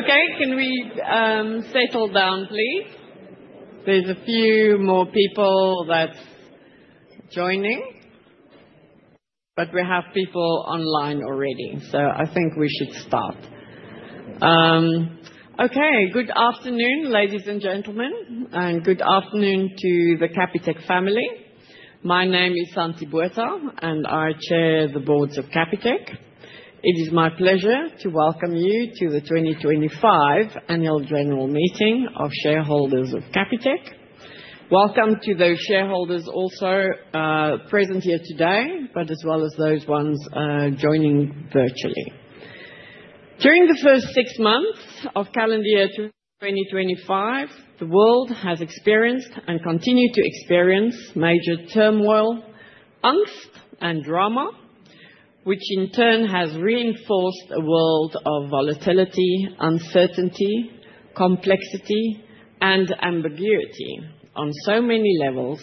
Okay, can we settle down, please? There's a few more people that's joining, but we have people online already, so I think we should start. Okay, good afternoon, ladies and gentlemen, and good afternoon to the Capitec family. My name is Santie Botha, and I chair the boards of Capitec. It is my pleasure to welcome you to the 2025 Annual General Meeting of Shareholders of Capitec. Welcome to those shareholders also present here today, but as well as those ones joining virtually. During the first six months of calendar year 2025, the world has experienced and continued to experience major turmoil, angst, and drama, which in turn has reinforced a world of volatility, uncertainty, complexity, and ambiguity on so many levels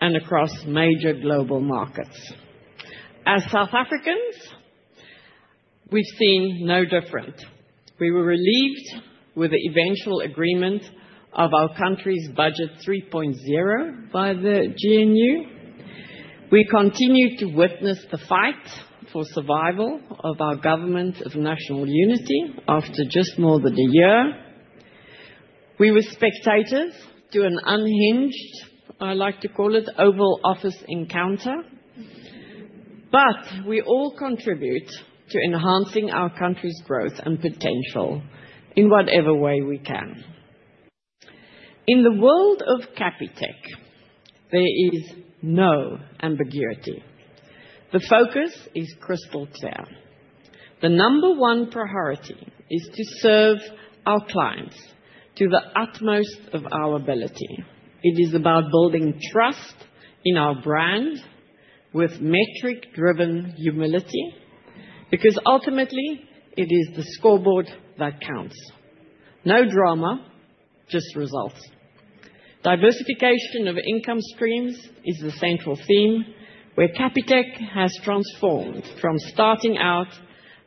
and across major global markets. As South Africans, we've seen no different. We were relieved with the eventual agreement of our country's Budget 3.0 by the GNU. We continue to witness the fight for survival of our government of national unity after just more than a year. We were spectators to an unhinged, I like to call it, oval office encounter. We all contribute to enhancing our country's growth and potential in whatever way we can. In the world of Capitec, there is no ambiguity. The focus is crystal clear. The number one priority is to serve our clients to the utmost of our ability. It is about building trust in our brand with metric-driven humility because ultimately it is the scoreboard that counts. No drama, just results. Diversification of income streams is the central theme where Capitec has transformed from starting out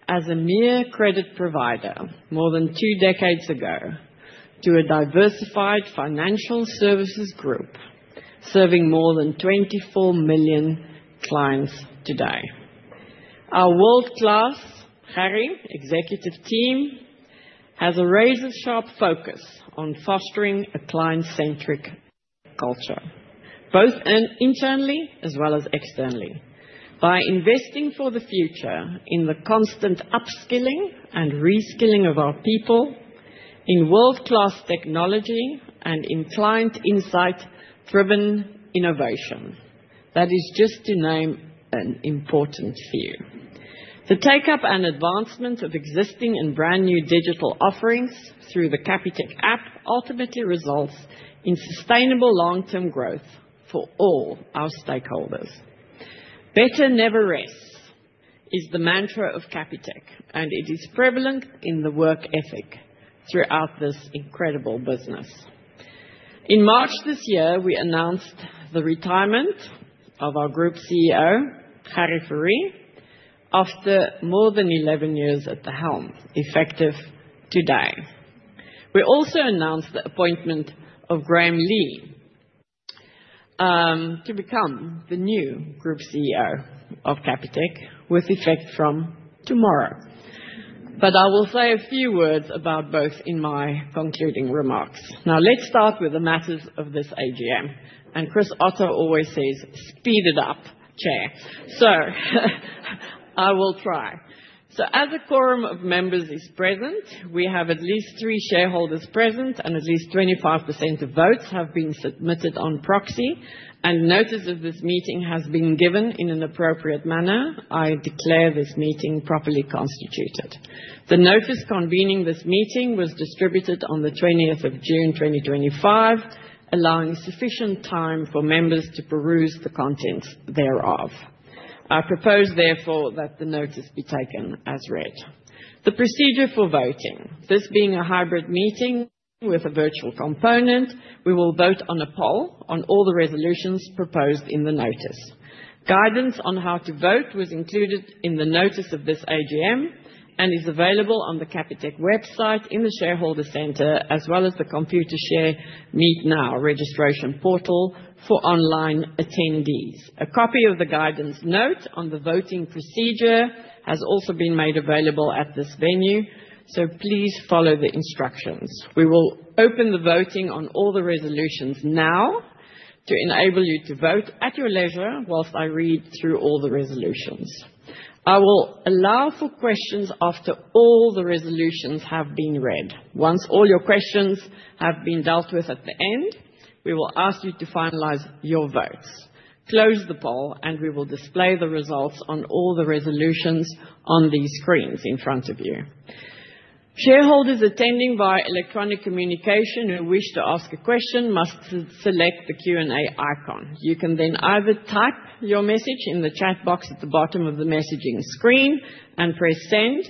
as a mere credit provider more than two decades ago to a diversified financial services group serving more than 24 million clients today. Our world-class, Gerrie executive team has a razor-sharp focus on fostering a client-centric culture, both internally as well as externally, by investing for the future in the constant upskilling and reskilling of our people, in world-class technology, and in client insight-driven innovation. That is just to name an important few. The take-up and advancement of existing and brand new digital offerings through the Capitec app ultimately results in sustainable long-term growth for all our stakeholders. "Better never rests" is the mantra of Capitec, and it is prevalent in the work ethic throughout this incredible business. In March this year, we announced the retirement of our group CEO, Gerrie Fourie, after more than 11 years at the helm, effective today. We also announced the appointment of Graham Lee to become the new group CEO of Capitec, with effect from tomorrow. I will say a few words about both in my concluding remarks. Now, let's start with the matters of this AGM. Chris Otto always says, "Speed it up, Chair." I will try. As a quorum of members is present, we have at least three shareholders present, and at least 25% of votes have been submitted on proxy. Notice of this meeting has been given in an appropriate manner. I declare this meeting properly constituted. The notice convening this meeting was distributed on the 20th of June, 2025, allowing sufficient time for members to peruse the contents thereof. I propose, therefore, that the notice be taken as read. The procedure for voting, this being a hybrid meeting with a virtual component, we will vote on a poll on all the resolutions proposed in the notice. Guidance on how to vote was included in the notice of this AGM and is available on the Capitec website in the Shareholder Center, as well as the ComputerShare-Meet-Now registration portal for online attendees. A copy of the guidance note on the voting procedure has also been made available at this venue, so please follow the instructions. We will open the voting on all the resolutions now to enable you to vote at your leisure whilst I read through all the resolutions. I will allow for questions after all the resolutions have been read. Once all your questions have been dealt with at the end, we will ask you to finalize your votes. Close the poll, and we will display the results on all the resolutions on these screens in front of you. Shareholders attending via electronic communication who wish to ask a question must select the Q&A icon. You can then either type your message in the chat box at the bottom of the messaging screen and press send,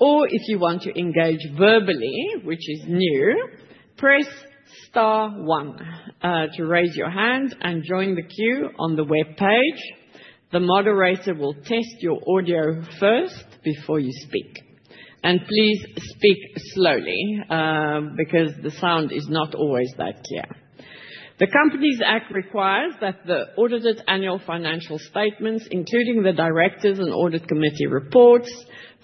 or if you want to engage verbally, which is new, press star one to raise your hand and join the queue on the web page. The moderator will test your audio first before you speak. Please speak slowly, because the sound is not always that clear. The Companies Act requires that the audited annual financial statements, including the directors and audit committee reports,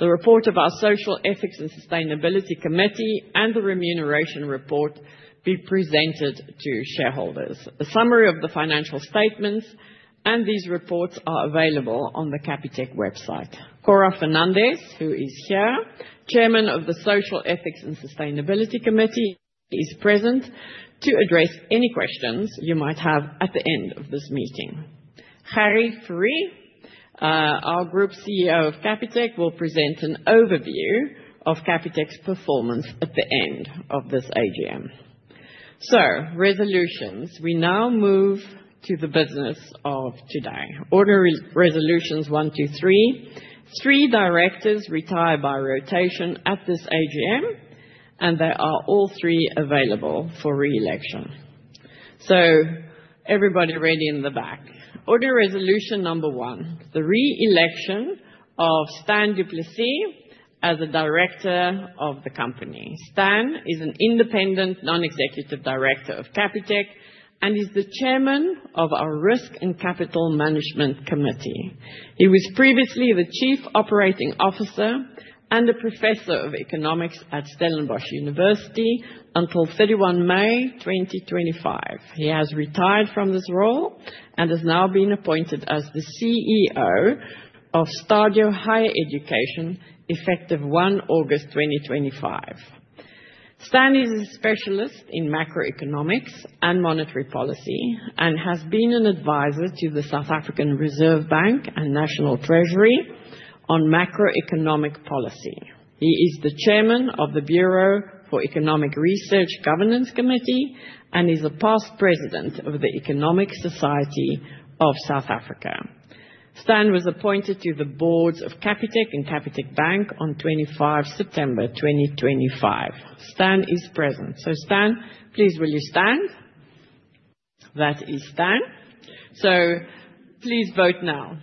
the report of our Social Ethics and Sustainability Committee, and the remuneration report be presented to shareholders. A summary of the financial statements and these reports are available on the Capitec website. Cora Fernandez, who is here, chairman of the Social Ethics and Sustainability Committee, is present to address any questions you might have at the end of this meeting. Gerrie Fourie, our Group CEO of Capitec, will present an overview of Capitec's performance at the end of this AGM. Resolutions. We now move to the business of today. Order Resolutions 1, 2, 3. Three directors retire by rotation at this AGM, and they are all three available for re-election. Everybody ready in the back? Order Resolution number one, the re-election of Stan du Plessis as a director of the company. Stan is an independent non-executive director of Capitec and is the chairman of our Risk and Capital Management Committee. He was previously the chief operating officer and a professor of economics at Stellenbosch University until 31 May 2025. He has retired from this role and has now been appointed as the CEO of Stadio Higher Education, effective 1 August 2025. Stan is a specialist in macroeconomics and monetary policy and has been an advisor to the South African Reserve Bank and National Treasury on macroeconomic policy. He is the chairman of the Bureau for Economic Research Governance Committee and is a past president of the Economic Society of South Africa. Stan was appointed to the boards of Capitec and Capitec Bank on 25 September 2025. Stan is present. Stan, please, will you stand? That is Stan. Please vote now.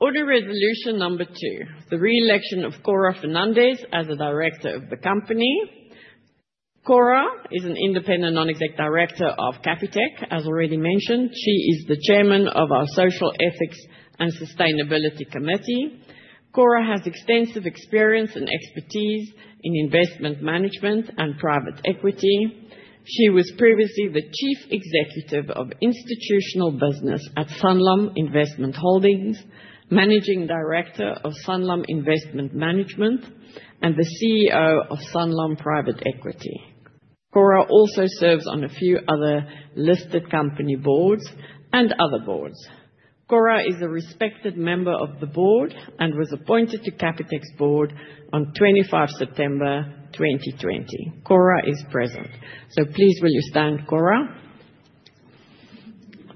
Order Resolution number two, the re-election of Cora Fernandez as a director of the company. Cora is an independent non-executive director of Capitec. As already mentioned, she is the chairman of our Social Ethics and Sustainability Committee. Cora has extensive experience and expertise in investment management and private equity. She was previously the chief executive of institutional business at Sanlam Investment Holdings, managing director of Sanlam Investment Management, and the CEO of Sanlam Private Equity. Cora also serves on a few other listed company boards and other boards. Cora is a respected member of the board and was appointed to Capitec's board on 25 September 2020. Cora is present. Please, will you stand, Cora?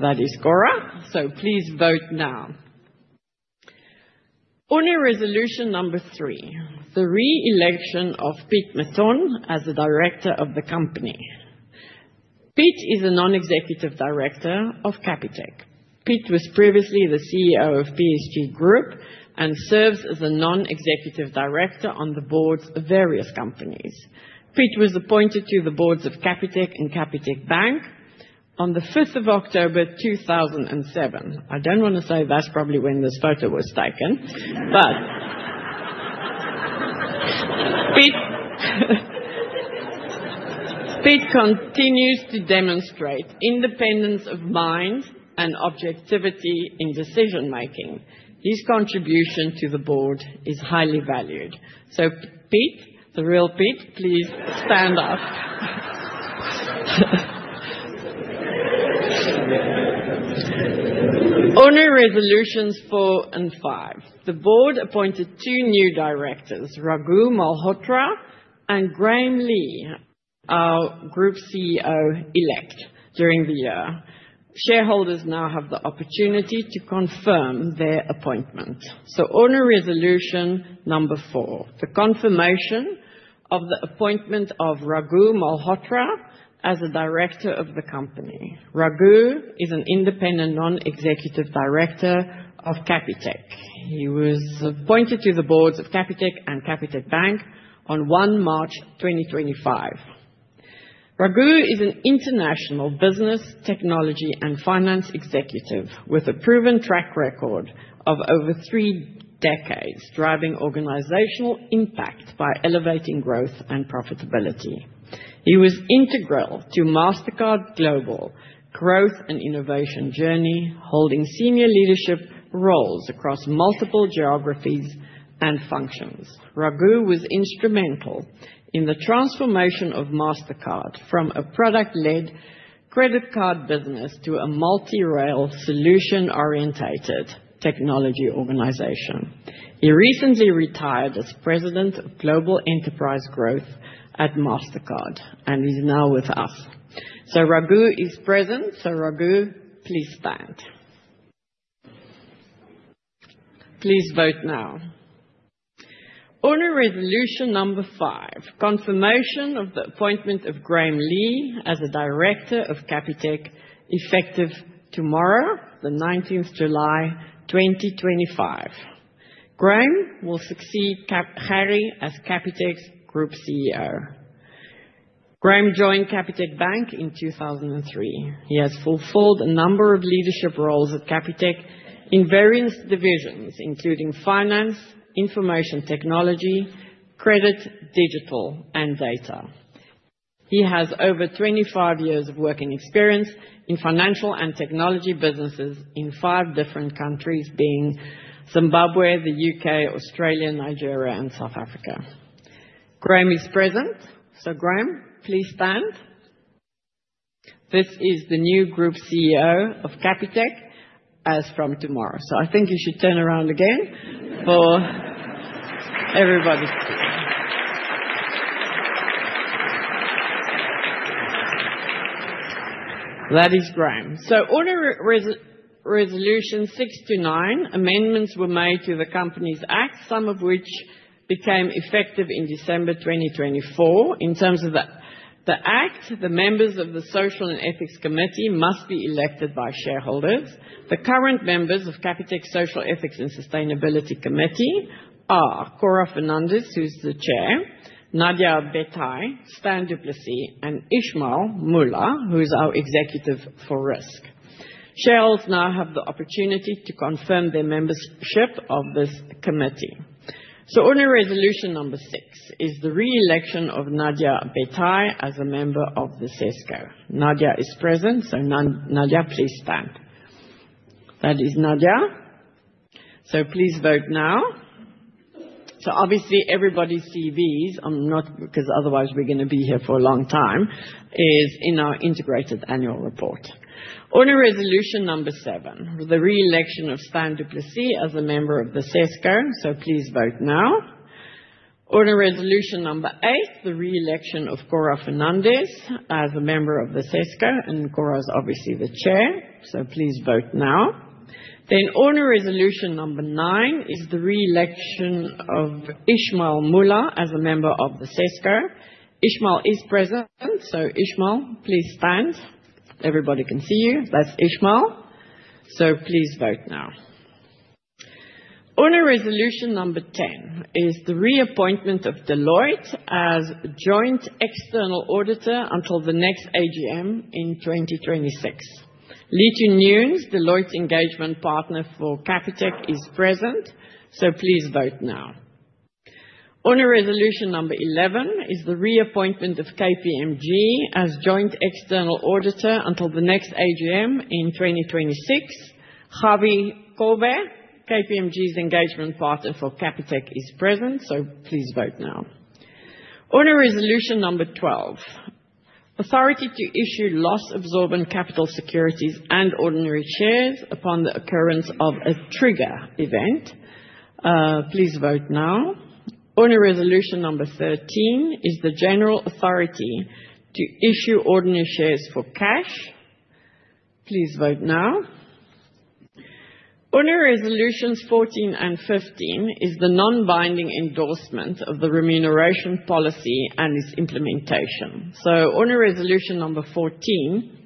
That is Cora. Please vote now. Order Resolution number three, the re-election of Pete Mouton as a director of the company. Pete is a non-executive director of Capitec. Pete was previously the CEO of PSG Group and serves as a non-executive director on the boards of various companies. Pete was appointed to the boards of Capitec and Capitec Bank on the 5th of October 2007. I don't want to say that's probably when this photo was taken, but. Pete continues to demonstrate independence of mind and objectivity in decision-making. His contribution to the board is highly valued. Pete, the real Pete, please stand up. Order Resolutions four and five. The board appointed two new directors, Raghu Malhotra and Graham Lee. Our group CEO elect during the year. Shareholders now have the opportunity to confirm their appointment. Order Resolution number four, the confirmation of the appointment of Raghu Malhotra as a director of the company. Raghu is an independent non-executive director of Capitec. He was appointed to the boards of Capitec and Capitec Bank on 1 March 2025. Raghu is an international business, technology, and finance executive with a proven track record of over three decades, driving organizational impact by elevating growth and profitability. He was integral to Mastercard's global growth and innovation journey, holding senior leadership roles across multiple geographies and functions. Raghu was instrumental in the transformation of Mastercard from a product-led credit card business to a multi-rail solution-oriented technology organization. He recently retired as president of Global Enterprise Growth at Mastercard, and he's now with us. Raghu is present. Raghu, please stand. Please vote now. Order Resolution number five, confirmation of the appointment of Graham Lee as a director of Capitec, effective tomorrow, the 19th of July 2025. Graham will succeed Gerrie as Capitec's Group CEO. Graham joined Capitec Bank in 2003. He has fulfilled a number of leadership roles at Capitec in various divisions, including finance, information technology, credit, digital, and data. He has over 25 years of working experience in financial and technology businesses in five different countries, being Zimbabwe, the U.K., Australia, Nigeria, and South Africa. Graham is present. Graham, please stand. This is the new Group CEO of Capitec as from tomorrow. I think you should turn around again for everybody to see. That is Graham. Order Resolutions 6 to 9, amendments were made to the Companies Act, some of which became effective in December 2024. In terms of the Act, the members of the Social and Ethics Committee must be elected by shareholders. The current members of Capitec's Social Ethics and Sustainability Committee are Cora Fernandez, who's the chair, Nadia Bethai, Stan d'Haese, and Ishmael Moola, who is our Executive for Risk. Shareholders now have the opportunity to confirm their membership of this committee. Order Resolution number six is the re-election of Nadia Bethai as a member of the committee. Nadia is present. Nadia, please stand. That is Nadia. Please vote now. Obviously, everybody's CVs, I'm not because otherwise we're going to be here for a long time, is in our integrated annual report. Order Resolution number seven, the re-election of Stan d'Haese as a member of the committee. Please vote now. Order Resolution number eight, the re-election of Cora Fernandez as a member of the committee, and Cora is obviously the chair. Please vote now. Order Resolution number nine is the re-election of Ishmael Moola as a member of the committee. Ishmael is present. Ishmael, please stand. Everybody can see you. That's Ishmael. Please vote now. Order Resolution number 10 is the reappointment of Deloitte as a joint external auditor until the next AGM in 2026. Leeton Nunes, Deloitte's engagement partner for Capitec, is present. Please vote now. Order Resolution number 11 is the reappointment of KPMG as joint external auditor until the next AGM in 2026. Javi Corbet, KPMG's engagement partner for Capitec, is present. Please vote now. Order Resolution number 12. Authority to issue loss-absorbing capital securities and ordinary shares upon the occurrence of a trigger event. Please vote now. Order Resolution number 13 is the general authority to issue ordinary shares for cash. Please vote now. Order Resolutions 14 and 15 is the non-binding endorsement of the remuneration policy and its implementation. Order Resolution number 14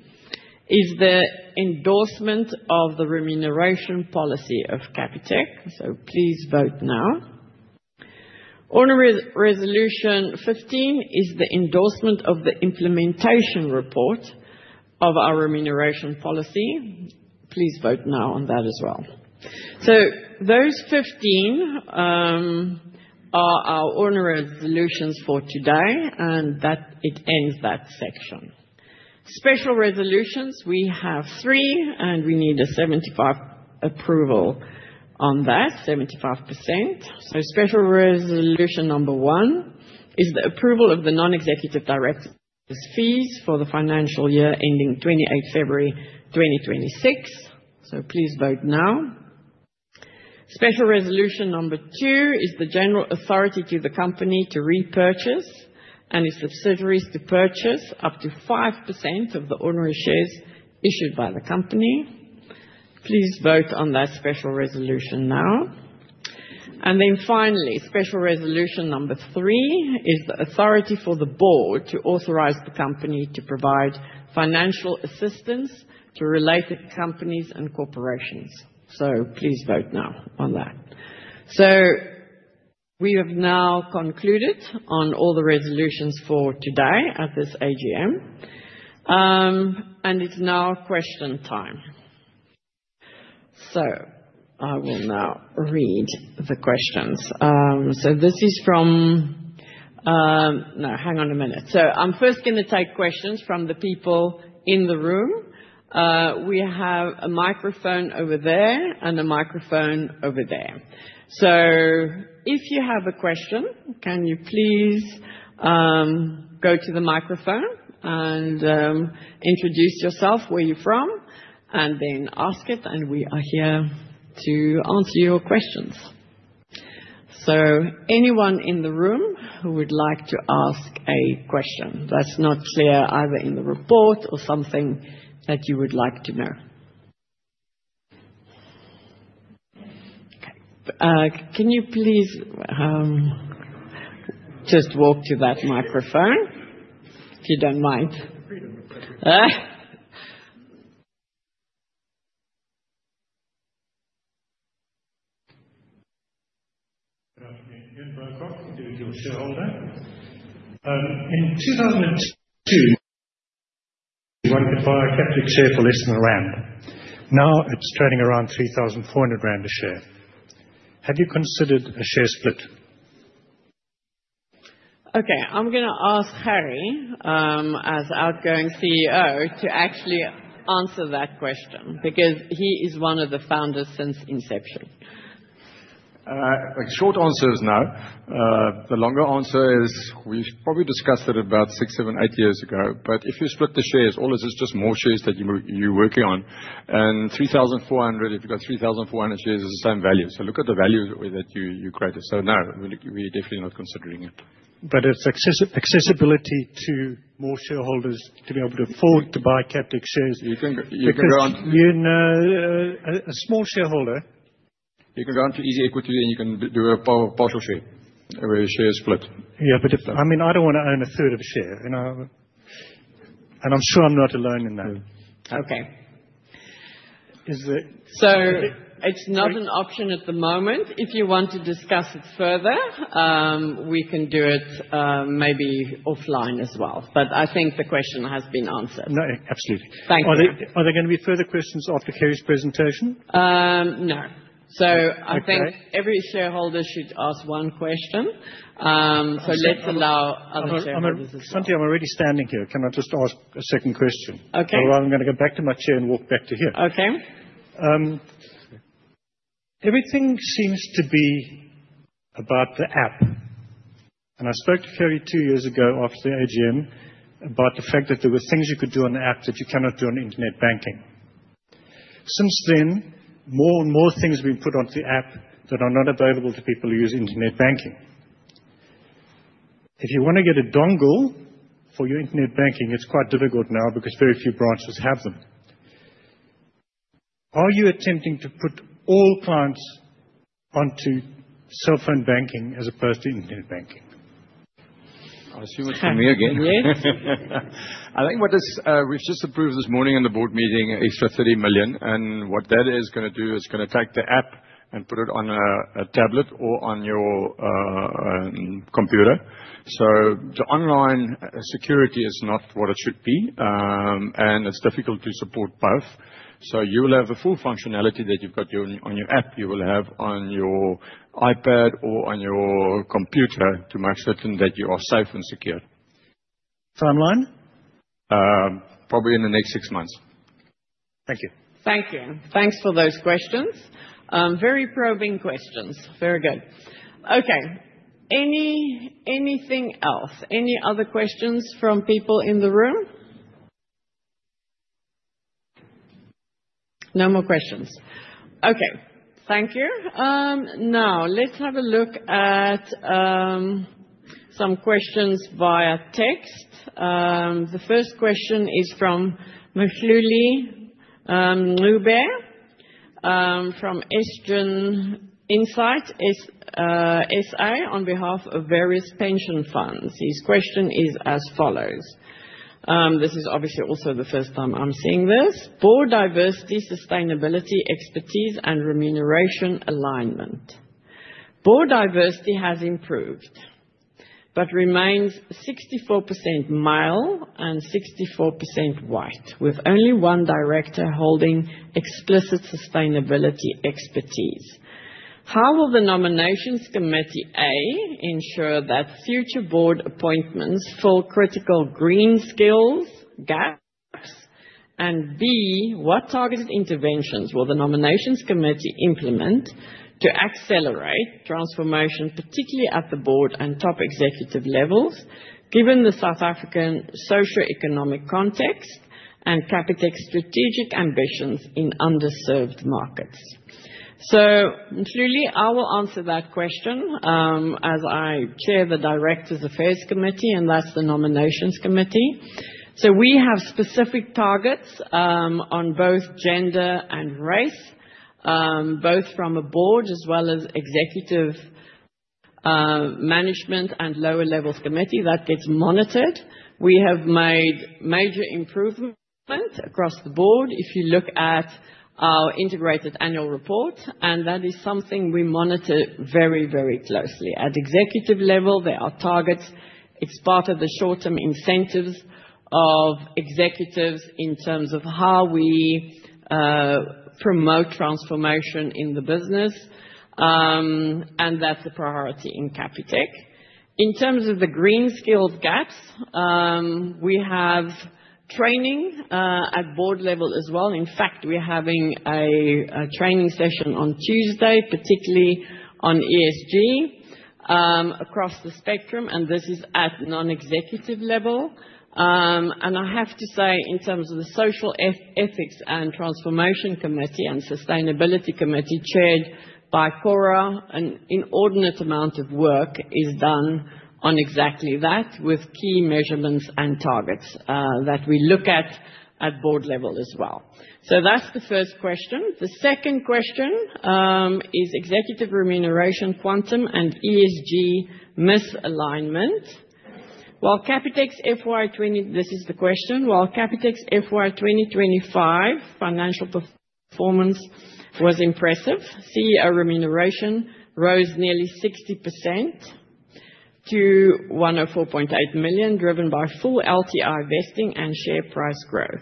is the endorsement of the remuneration policy of Capitec. Please vote now. Order Resolution 15 is the endorsement of the implementation report of our remuneration policy. Please vote now on that as well. Those 15. Are our order resolutions for today, and that ends that section. Special resolutions, we have three, and we need a 75% approval on that, 75%. Special Resolution number one is the approval of the non-executive director's fees for the financial year ending 28 February 2026. Please vote now. Special Resolution number two is the general authority to the company to repurchase and its subsidiaries to purchase up to 5% of the ordinary shares issued by the company. Please vote on that special resolution now. Finally, Special Resolution number three is the authority for the board to authorize the company to provide financial assistance to related companies and corporations. Please vote now on that. We have now concluded on all the resolutions for today at this AGM. It is now question time. I will now read the questions. This is from. No, hang on a minute. I am first going to take questions from the people in the room. We have a microphone over there and a microphone over there. If you have a question, can you please go to the microphone and introduce yourself, where you are from, and then ask it, and we are here to answer your questions. Anyone in the room who would like to ask a question that is not clear either in the report or something that you would like to know? Okay. Can you please just walk to that microphone, if you do not mind? Good afternoon. Ian Burkhart, individual shareholder. In 2002, one could buy a Capitec share for less than a rand. Now it is trading around 3,400 rand a share. Have you considered a share split? I am going to ask Gerrie, as outgoing CEO, to actually answer that question because he is one of the founders since inception. Short answer is no. The longer answer is we have probably discussed it about six, seven, eight years ago. If you split the shares, all it is just more shares that you are working on. 3,400, if you have got 3,400 shares, is the same value. Look at the value that you created. No, we are definitely not considering it. It is accessibility to more shareholders to be able to afford to buy Capitec shares. You can go on, you know, a small shareholder, you can go on to EasyEquities and you can do a partial share where your share is split. Yeah, but I mean, I do not want to own a third of a share. I am sure I am not alone in that. It is not an option at the moment. If you want to discuss it further, we can do it maybe offline as well. I think the question has been answered. No, absolutely. Thank you. Are there going to be further questions after Gerrie's presentation? No. I think every shareholder should ask one question. Let us allow other shareholders as well. Santie, I am already standing here. Can I just ask a second question? Okay. Or I'm going to get back to my chair and walk back to here. Okay. Everything seems to be about the app. I spoke to Gerrie two years ago after the AGM about the fact that there were things you could do on the app that you cannot do on internet banking. Since then, more and more things have been put onto the app that are not available to people who use internet banking. If you want to get a dongle for your internet banking, it's quite difficult now because very few branches have them. Are you attempting to put all clients onto cell phone banking as opposed to internet banking? I assume it's coming again. Yes. I think what we've just approved this morning in the board meeting is for 30 million. What that is going to do, it's going to take the app and put it on a tablet or on your computer. The online security is not what it should be. It's difficult to support both. You will have the full functionality that you've got on your app. You will have on your iPad or on your computer to make certain that you are safe and secure. Timeline? Probably in the next six months. Thank you. Thank you. Thanks for those questions. Very probing questions. Very good. Okay. Anything else? Any other questions from people in the room? No more questions. Okay. Thank you. Now, let's have a look at some questions via text. The first question is from Mafluli Mlube from Estian Insight SA on behalf of various pension funds. His question is as follows. This is obviously also the first time I'm seeing this. Board diversity, sustainability, expertise, and remuneration alignment. Board diversity has improved but remains 64% male and 64% white, with only one director holding explicit sustainability expertise. How will the nominations committee A ensure that future board appointments fill critical green skills gaps? B, what targeted interventions will the nominations committee implement to accelerate transformation, particularly at the board and top executive levels, given the South African socioeconomic context and Capitec's strategic ambitions in underserved markets? Clearly, I will answer that question as I chair the directors affairs committee, and that's the nominations committee. We have specific targets on both gender and race, both from a board as well as executive management and lower levels committee that gets monitored. We have made major improvements across the board if you look at our integrated annual report. That is something we monitor very, very closely. At executive level, there are targets. It's part of the short-term incentives of executives in terms of how we promote transformation in the business. That's a priority in Capitec. In terms of the green skills gaps, we have training at board level as well. In fact, we're having a training session on Tuesday, particularly on ESG across the spectrum. This is at non-executive level. I have to say, in terms of the Social Ethics and Sustainability Committee chaired by Cora, an inordinate amount of work is done on exactly that, with key measurements and targets that we look at at board level as well. That is the first question. The second question is executive remuneration quantum and ESG misalignment. While Capitec's FY2025 financial performance was impressive, CEO remuneration rose nearly 60% to 104.8 million, driven by full LTI vesting and share price growth.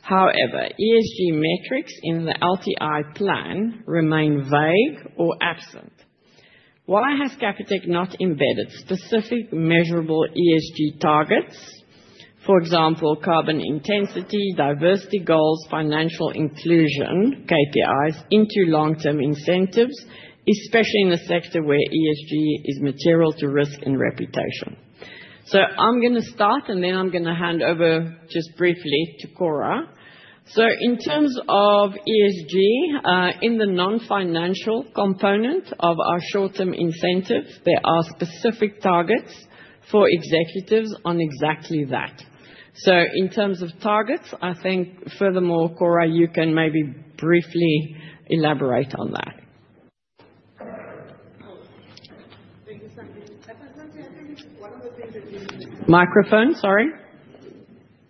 However, ESG metrics in the LTI plan remain vague or absent. Why has Capitec not embedded specific measurable ESG targets, for example, carbon intensity, diversity goals, financial inclusion KPIs, into long-term incentives, especially in a sector where ESG is material to risk and reputation? I am going to start, and then I am going to hand over just briefly to Cora. In terms of ESG, in the non-financial component of our short-term incentives, there are specific targets for executives on exactly that. In terms of targets, I think furthermore, Cora, you can maybe briefly elaborate on that. —microphone, sorry.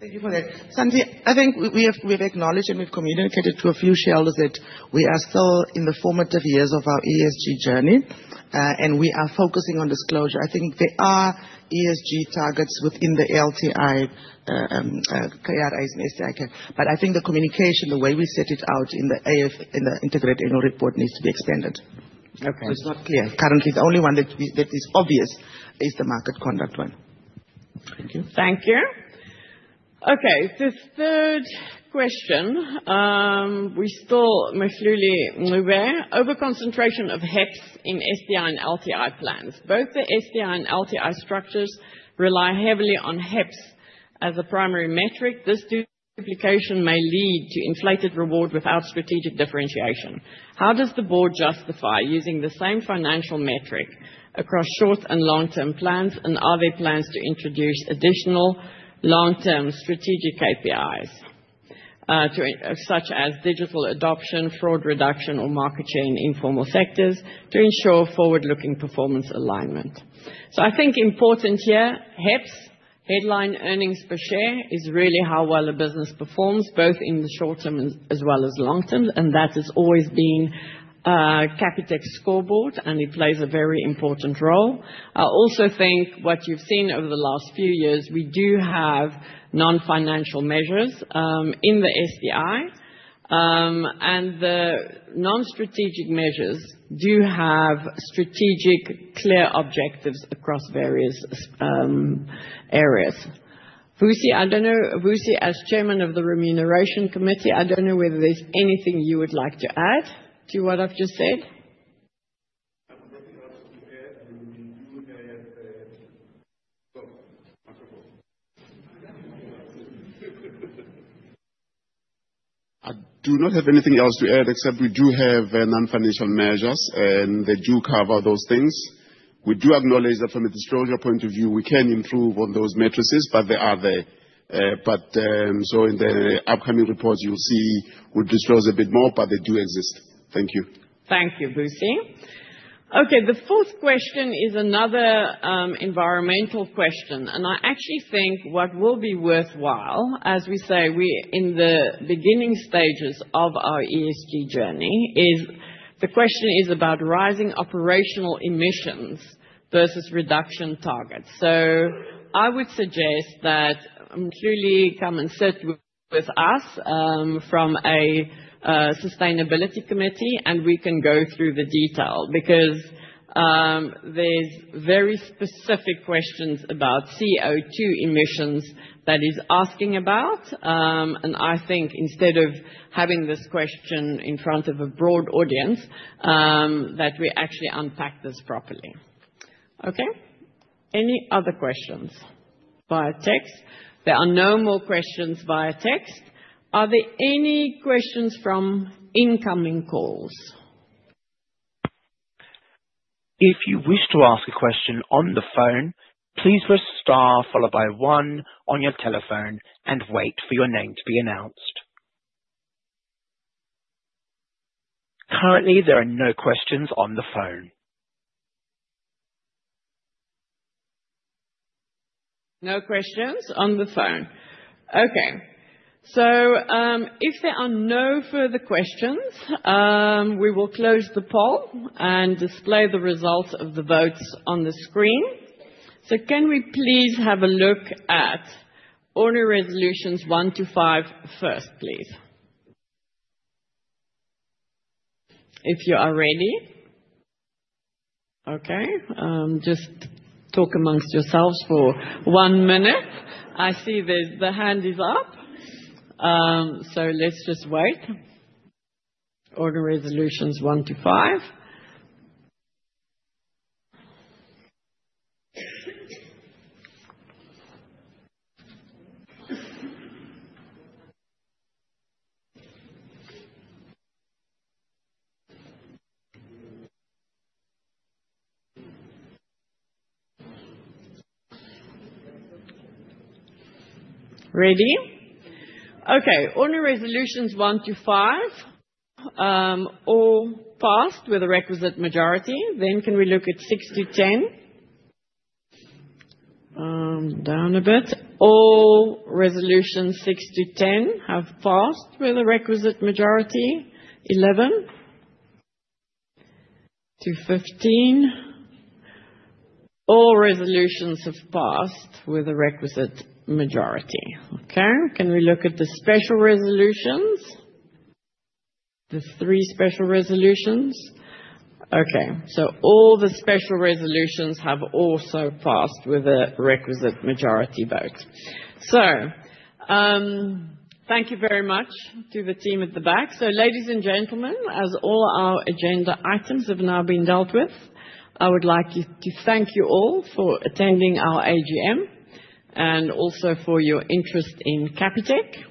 Thank you for that. Santie, I think we have acknowledged and we have communicated to a few shareholders that we are still in the formative years of our ESG journey, and we are focusing on disclosure. I think there are ESG targets within the LTI. Career as an SIK. I think the communication, the way we set it out in the integrated annual report, needs to be expanded. It is not clear. Currently, the only one that is obvious is the market conduct one. Thank you. Thank you. This third question. We still—Mafluli Mlube. Overconcentration of HEPS in SDI and LTI plans. Both the SDI and LTI structures rely heavily on HEPS as a primary metric. This duplication may lead to inflated reward without strategic differentiation. How does the board justify using the same financial metric across short and long-term plans, and are there plans to introduce additional long-term strategic KPIs, such as digital adoption, fraud reduction, or market share in informal sectors to ensure forward-looking performance alignment? I think important here, HEPS, headline earnings per share, is really how well a business performs, both in the short term as well as long term. That has always been Capitec's scoreboard, and it plays a very important role. I also think what you have seen over the last few years, we do have non-financial measures in the SDI. The non-strategic measures do have strategic clear objectives across various areas. Vusi, I do not know—Vusi, as Chairman of the Remuneration Committee, I do not know whether there is anything you would like to add to what I have just said. I would definitely like to add that we do have—I do not have anything else to add, except we do have non-financial measures, and they do cover those things. We do acknowledge that from a disclosure point of view, we can improve on those matrices, but they are there. In the upcoming reports, you'll see we'll disclose a bit more, but they do exist. Thank you. Thank you, Vusi. Okay. The fourth question is another environmental question. I actually think what will be worthwhile, as we say, we're in the beginning stages of our ESG journey, is the question is about rising operational emissions versus reduction targets. I would suggest that Mafluli come and sit with us from a sustainability committee, and we can go through the detail because there's very specific questions about CO2 emissions that he's asking about. I think instead of having this question in front of a broad audience, that we actually unpack this properly. Okay? Any other questions? Via text. There are no more questions via text. Are there any questions from incoming calls? If you wish to ask a question on the phone, please press star followed by one on your telephone and wait for your name to be announced. Currently, there are no questions on the phone. No questions on the phone. Okay. If there are no further questions, we will close the poll and display the results of the votes on the screen. Can we please have a look at order resolutions one to five first, please? If you are ready. Okay. Just talk amongst yourselves for one minute. I see the hand is up. Let's just wait. Order resolutions one to five. Ready? Okay. Order resolutions one to five. All passed with a requisite majority. Can we look at six to ten? Down a bit. All resolutions six to ten have passed with a requisite majority. Eleven to fifteen. All resolutions have passed with a requisite majority. Okay. Can we look at the special resolutions? The three special resolutions? Okay. All the special resolutions have also passed with a requisite majority vote. Thank you very much to the team at the back. Ladies and gentlemen, as all our agenda items have now been dealt with, I would like to thank you all for attending our AGM and also for your interest in Capitec.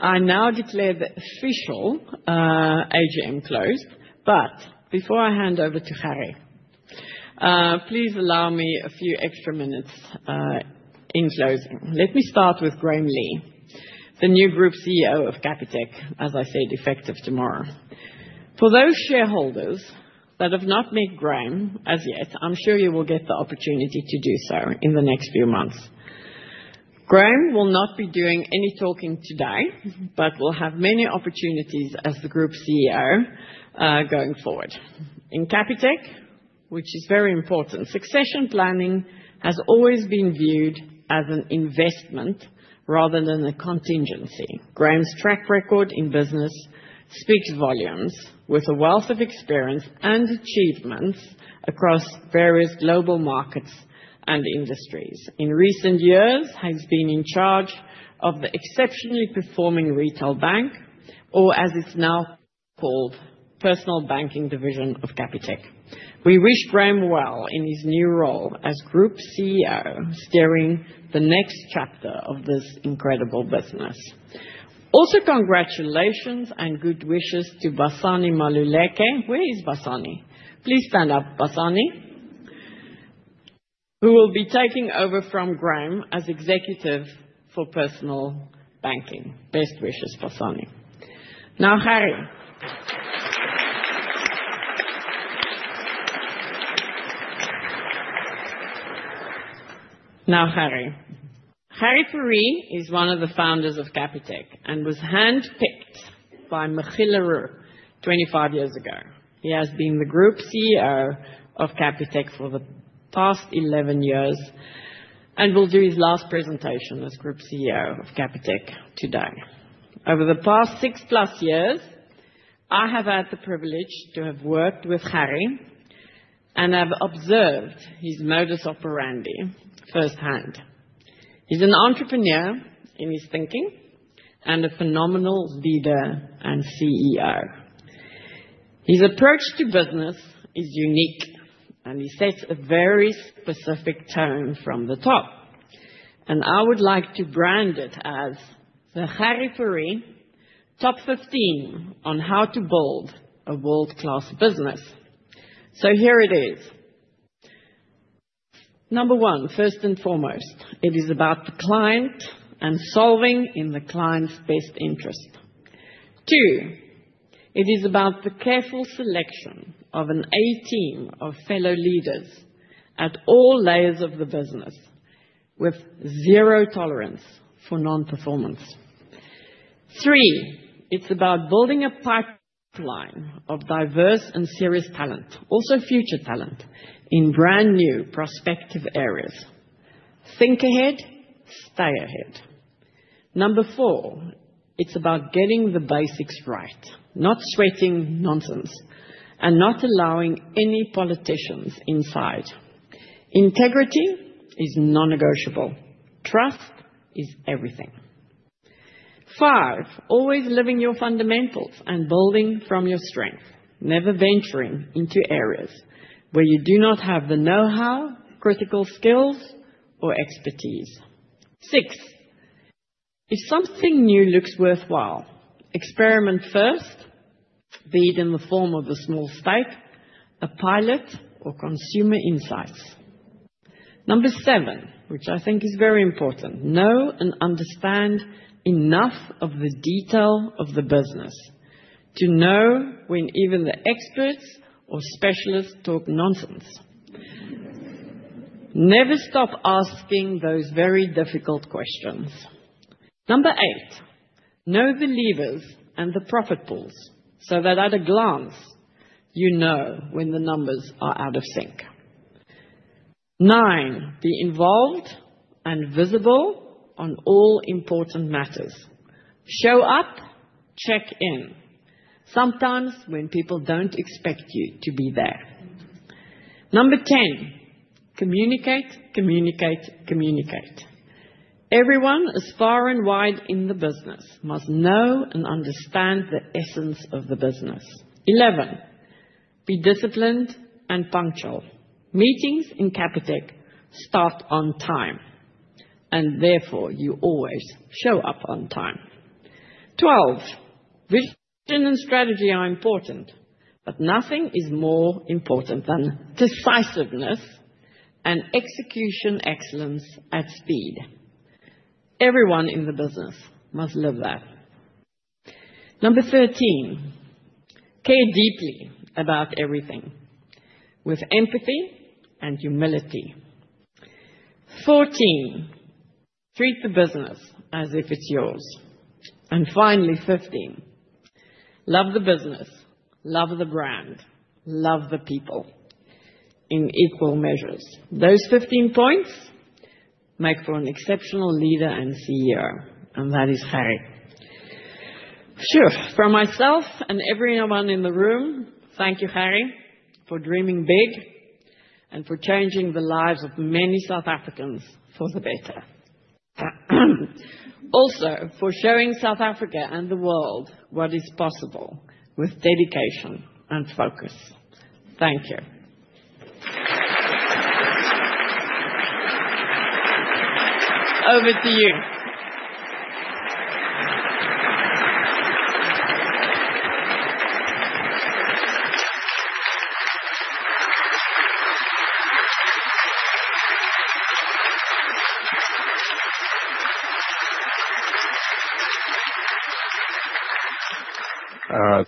I now declare the official AGM closed. Before I hand over to Harry, please allow me a few extra minutes. In closing, let me start with Graham Lee, the new Group CEO of Capitec, as I said, effective tomorrow. For those shareholders that have not met Graham as yet, I'm sure you will get the opportunity to do so in the next few months. Graham will not be doing any talking today, but will have many opportunities as the Group CEO going forward. In Capitec, which is very important, succession planning has always been viewed as an investment rather than a contingency. Graham's track record in business speaks volumes with a wealth of experience and achievements across various global markets and industries. In recent years, he has been in charge of the exceptionally performing retail bank, or as it's now called, personal banking division of Capitec. We wish Graham well in his new role as Group CEO, steering the next chapter of this incredible business. Also, congratulations and good wishes to Basani Mahluleke. Where is Basani? Please stand up, Basani. Who will be taking over from Graham as Executive for Personal Banking. Best wishes, Basani. Now, Gerrie. Now, Gerrie. Gerrie Fourie is one of the founders of Capitec and was handpicked by Mouton 25 years ago. He has been the Group CEO of Capitec for the past 11 years and will do his last presentation as Group CEO of Capitec today. Over the past six plus years, I have had the privilege to have worked with Gerrie and have observed his modus operandi firsthand. He's an entrepreneur in his thinking and a phenomenal leader and CEO. His approach to business is unique, and he sets a very specific tone from the top. I would like to brand it as the Gerrie Fourie Top 15 on how to build a world-class business. Here it is. Number one, first and foremost, it is about the client and solving in the client's best interest. Two, it is about the careful selection of an A team of fellow leaders at all layers of the business, with zero tolerance for non-performance. Three, it's about building a pipeline of diverse and serious talent, also future talent, in brand new prospective areas. Think ahead, stay ahead. Number four, it's about getting the basics right, not sweating nonsense, and not allowing any politicians inside. Integrity is non-negotiable. Trust is everything. Five, always living your fundamentals and building from your strength, never venturing into areas where you do not have the know-how, critical skills, or expertise. Six, if something new looks worthwhile, experiment first, be it in the form of a small stake, a pilot, or consumer insights. Number seven, which I think is very important, know and understand enough of the detail of the business to know when even the experts or specialists talk nonsense. Never stop asking those very difficult questions. Number eight, know the levers and the profit pools so that at a glance, you know when the numbers are out of sync. Nine, be involved and visible on all important matters. Show up, check in, sometimes when people don't expect you to be there. Number ten, communicate, communicate, communicate. Everyone as far and wide in the business must know and understand the essence of the business. Eleven, be disciplined and punctual. Meetings in Capitec start on time, and therefore you always show up on time. Twelve, vision and strategy are important, but nothing is more important than decisiveness and execution excellence at speed. Everyone in the business must live that. Number thirteen, care deeply about everything, with empathy and humility. Fourteen, treat the business as if it's yours. And finally, fifteen, love the business, love the brand, love the people, in equal measures. Those fifteen points make for an exceptional leader and CEO, and that is Gerrie. Sure, from myself and everyone in the room, thank you, Harry, for dreaming big and for changing the lives of many South Africans for the better. Also, for showing South Africa and the world what is possible with dedication and focus. Thank you. Over to you.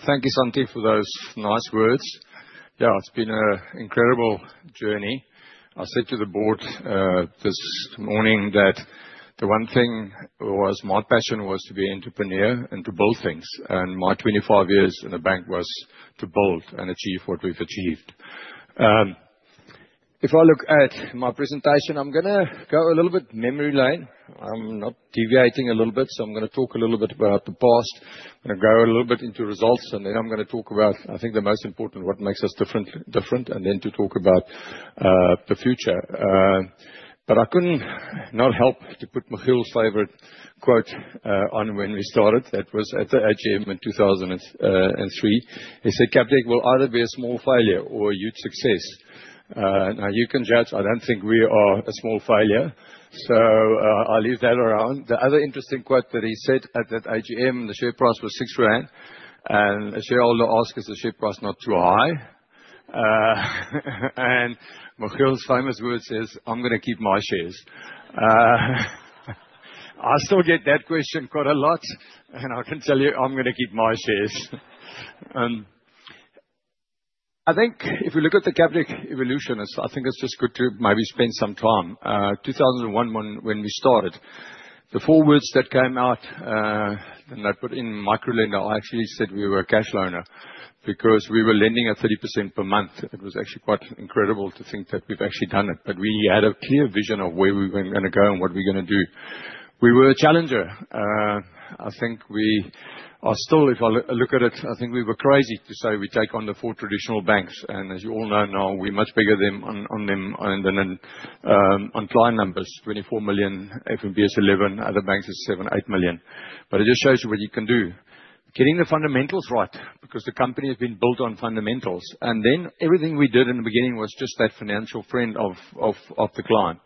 Thank you, Santie, for those nice words. Yeah, it's been an incredible journey. I said to the board this morning that the one thing was my passion was to be an entrepreneur and to build things. And my 25 years in the bank was to build and achieve what we've achieved. If I look at my presentation, I'm going to go a little bit memory lane. I'm not deviating a little bit, so I'm going to talk a little bit about the past. I'm going to go a little bit into results, and then I'm going to talk about, I think, the most important, what makes us different. And then to talk about the future. But I couldn't not help to put Mafluli's favorite quote on when we started. That was at the AGM in 2003. He said, "Capitec will either be a small failure or huge success." Now, you can judge. I don't think we are a small failure, so I'll leave that around. The other interesting quote that he said at that AGM, the share price was 6 rand, and a shareholder asked, "Is the share price not too high?" And famous words says, "I'm going to keep my shares." I still get that question quite a lot, and I can tell you I'm going to keep my shares. I think if we look at the Capitec evolution, I think it's just good to maybe spend some time. 2001, when we started, the four words that came out that put in microlender, I actually said we were a cash loaner because we were lending at 30% per month. It was actually quite incredible to think that we've actually done it, but we had a clear vision of where we were going to go and what we were going to do. We were a challenger. I think we are still, if I look at it, I think we were crazy to say we take on the four traditional banks. As you all know now, we're much bigger than them on client numbers, 24 million, FNB, Standard Bank, Absa, Nedbank, other banks are 7, 8 million. But it just shows you what you can do, getting the fundamentals right because the company has been built on fundamentals. Everything we did in the beginning was just that financial friend of the client.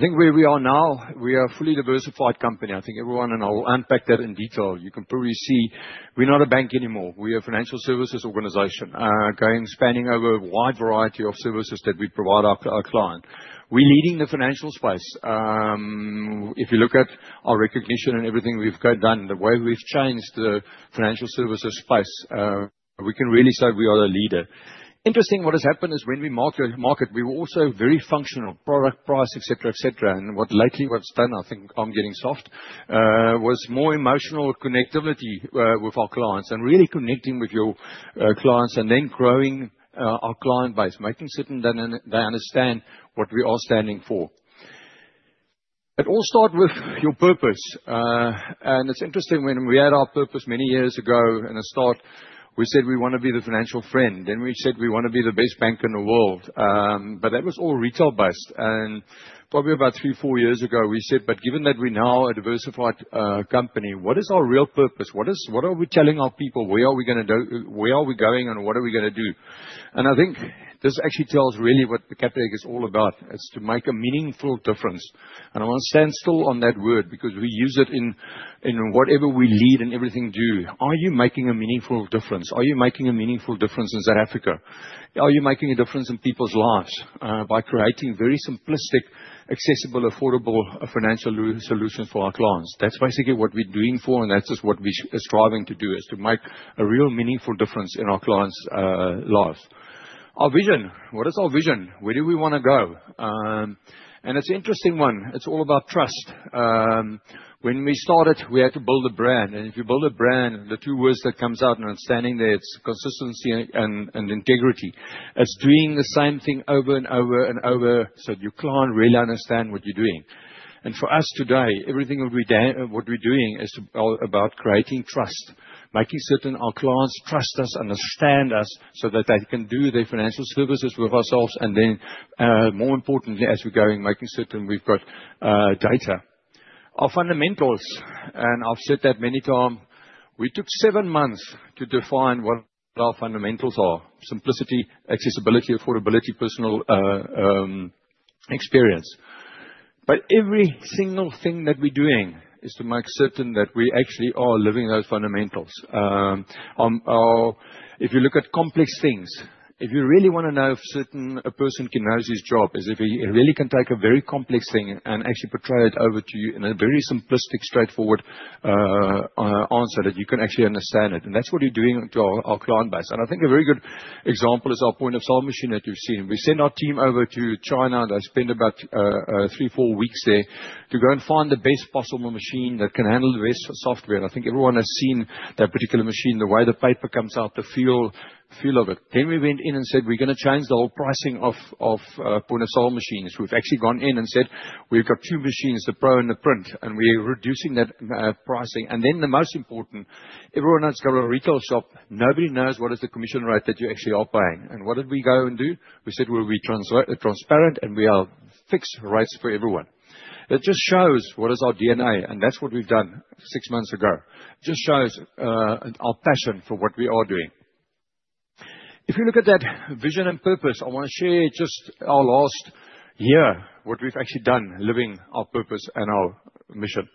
Where we are now, we are a fully diversified company. I think everyone and I will unpack that in detail. You can probably see we are not a bank anymore. We are a financial services organization spanning over a wide variety of services that we provide our client. We are leading the financial space. If you look at our recognition and everything we have done, the way we have changed the financial services space, we can really say we are the leader. Interesting, what has happened is when we market, we were also very functional, product price, etc., etc. Lately, what is done, I think I am getting soft, was more emotional connectivity with our clients and really connecting with your clients and then growing our client base, making certain they understand what we are standing for. It all starts with your purpose. It is interesting when we had our purpose many years ago and a start, we said we want to be the financial friend. Then we said we want to be the best bank in the world. That was all retail based. Probably about three, four years ago, we said, "Given that we are now a diversified company, what is our real purpose? What are we telling our people? Where are we going to go? Where are we going and what are we going to do?" I think this actually tells really what Capitec is all about. It is to make a meaningful difference. I want to stand still on that word because we use it in whatever we lead and everything we do. Are you making a meaningful difference? Are you making a meaningful difference in South Africa? Are you making a difference in people's lives by creating very simplistic, accessible, affordable financial solutions for our clients? That is basically what we are doing for, and that is just what we are striving to do, is to make a real meaningful difference in our clients' lives. Our vision, what is our vision? Where do we want to go? It is an interesting one. It is all about trust. When we started, we had to build a brand. If you build a brand, the two words that come out and I am standing there, it is consistency and integrity. It is doing the same thing over and over and over so your client really understands what you are doing. For us today, everything that we are doing is about creating trust, making certain our clients trust us, understand us so that they can do their financial services with ourselves. More importantly, as we are going, making certain we have data. Our fundamentals, and I have said that many times, we took seven months to define what our fundamentals are: simplicity, accessibility, affordability, personal. Experience. Every single thing that we are doing is to make certain that we actually are living those fundamentals. If you look at complex things, if you really want to know if a person can know his job, is if he really can take a very complex thing and actually portray it over to you in a very simplistic, straightforward answer that you can actually understand. That is what you are doing to our client base. I think a very good example is our point-of-sale machine that you have seen. We sent our team over to China, and they spent about three, four weeks there to go and find the best possible machine that can handle the best software. I think everyone has seen that particular machine, the way the paper comes out, the feel of it. We went in and said, "We are going to change the whole pricing of point-of-sale machines." We have actually gone in and said, "We have got two machines, the Pro and the Print, and we are reducing that pricing." The most important, everyone knows we have got a retail shop. Nobody knows what is the commission rate that you actually are paying. What did we go and do? We said, "We will be transparent, and we will fix rates for everyone." It just shows what is our DNA, and that is what we have done six months ago. It just shows our passion for what we are doing. If you look at that vision and purpose, I want to share just our last year, what we have actually done, living our purpose and our mission.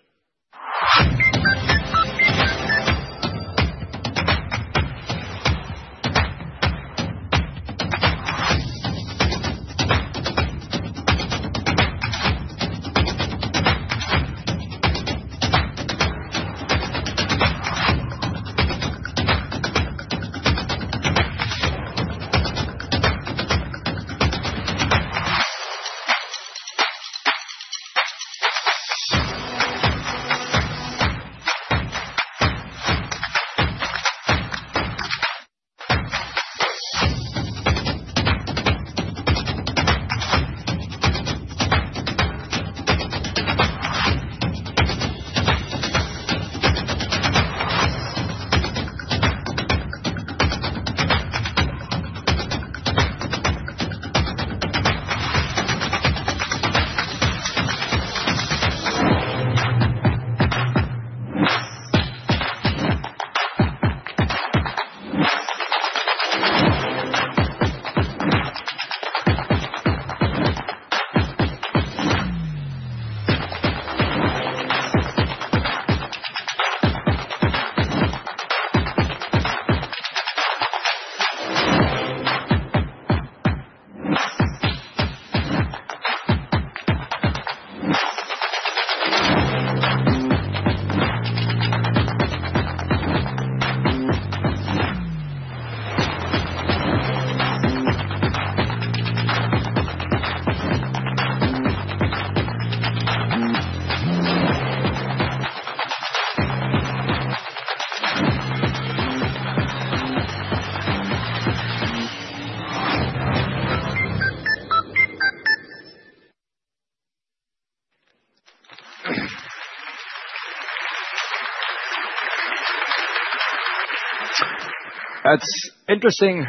It is interesting.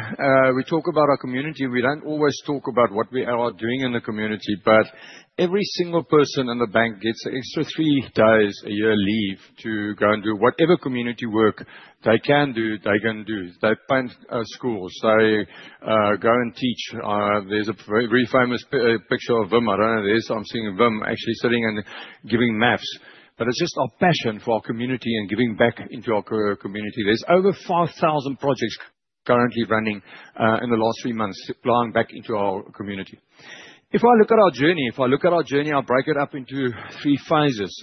We talk about our community. We do not always talk about what we are doing in the community, but every single person in the bank gets an extra three days a year leave to go and do whatever community work they can do. They go and do. They find schools. They go and teach. There is a very famous picture of Vim. I do not know this. I am seeing Vim actually sitting and giving maps. It is just our passion for our community and giving back into our community. There are over 5,000 projects currently running in the last three months supplying back into our community. If I look at our journey, if I look at our journey, I will break it up into three phases.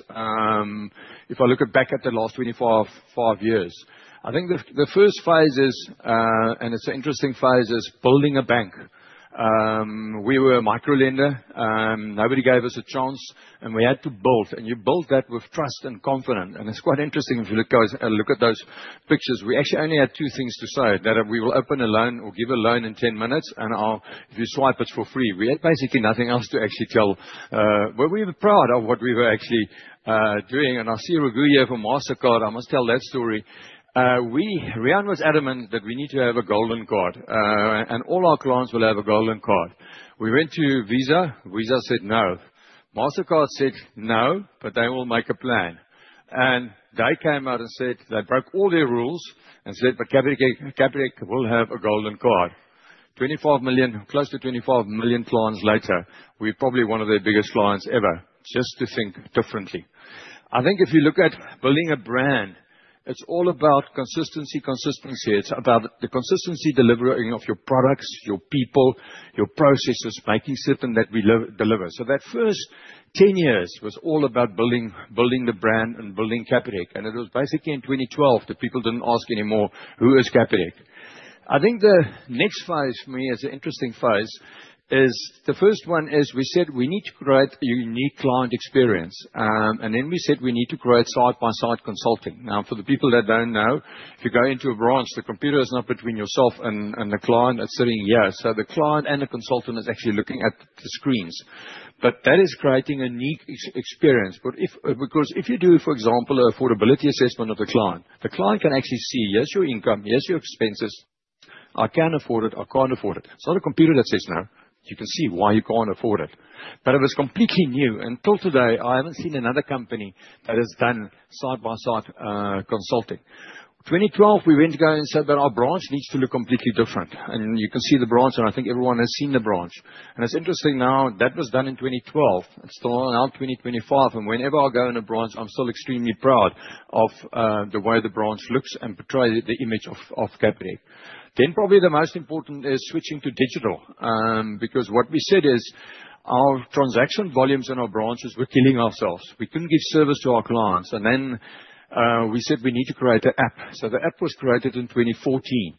If I look back at the last 24 years, I think the first phase, and it is an interesting phase, is building a bank. We were a microlender. Nobody gave us a chance, and we had to build. You built that with trust and confidence. It is quite interesting if you look at those pictures. We actually only had two things to say, that we will open a loan or give a loan in 10 minutes, and if you swipe it is for free. We had basically nothing else to actually tell. We were proud of what we were actually doing. I see Raghu from Mastercard. I must tell that story. Riyan was adamant that we need to have a golden card, and all our clients will have a golden card. We went to Visa. Visa said no. Mastercard said no, but they will make a plan. They came out and said they broke all their rules and said, "But Capitec will have a golden card." Close to 25 million clients later, we're probably one of their biggest clients ever, just to think differently. I think if you look at building a brand, it's all about consistency, consistency. It's about the consistency delivering of your products, your people, your processes, making certain that we deliver. That first 10 years was all about building the brand and building Capitec. It was basically in 2012 that people didn't ask anymore, "Who is Capitec?" I think the next phase for me is an interesting phase. The first one is we said we need to create a unique client experience. We said we need to create side-by-side consulting. Now, for the people that don't know, if you go into a branch, the computer is not between yourself and the client. It's sitting here. The client and the consultant are actually looking at the screens. That is creating a unique experience. If you do, for example, an affordability assessment of the client, the client can actually see, "Yes, your income. Yes, your expenses. I can afford it. I can't afford it." It's not a computer that says no. You can see why you can't afford it. It was completely new. Until today, I haven't seen another company that has done side-by-side consulting. In 2012, we went and said that our branch needs to look completely different. You can see the branch, and I think everyone has seen the branch. It's interesting now that was done in 2012. It's still now 2025. Whenever I go in a branch, I'm still extremely proud of the way the branch looks and portray the image of Capitec. Probably the most important is switching to digital. What we said is our transaction volumes in our branches, we're killing ourselves. We couldn't give service to our clients. We said we need to create an app. The app was created in 2014.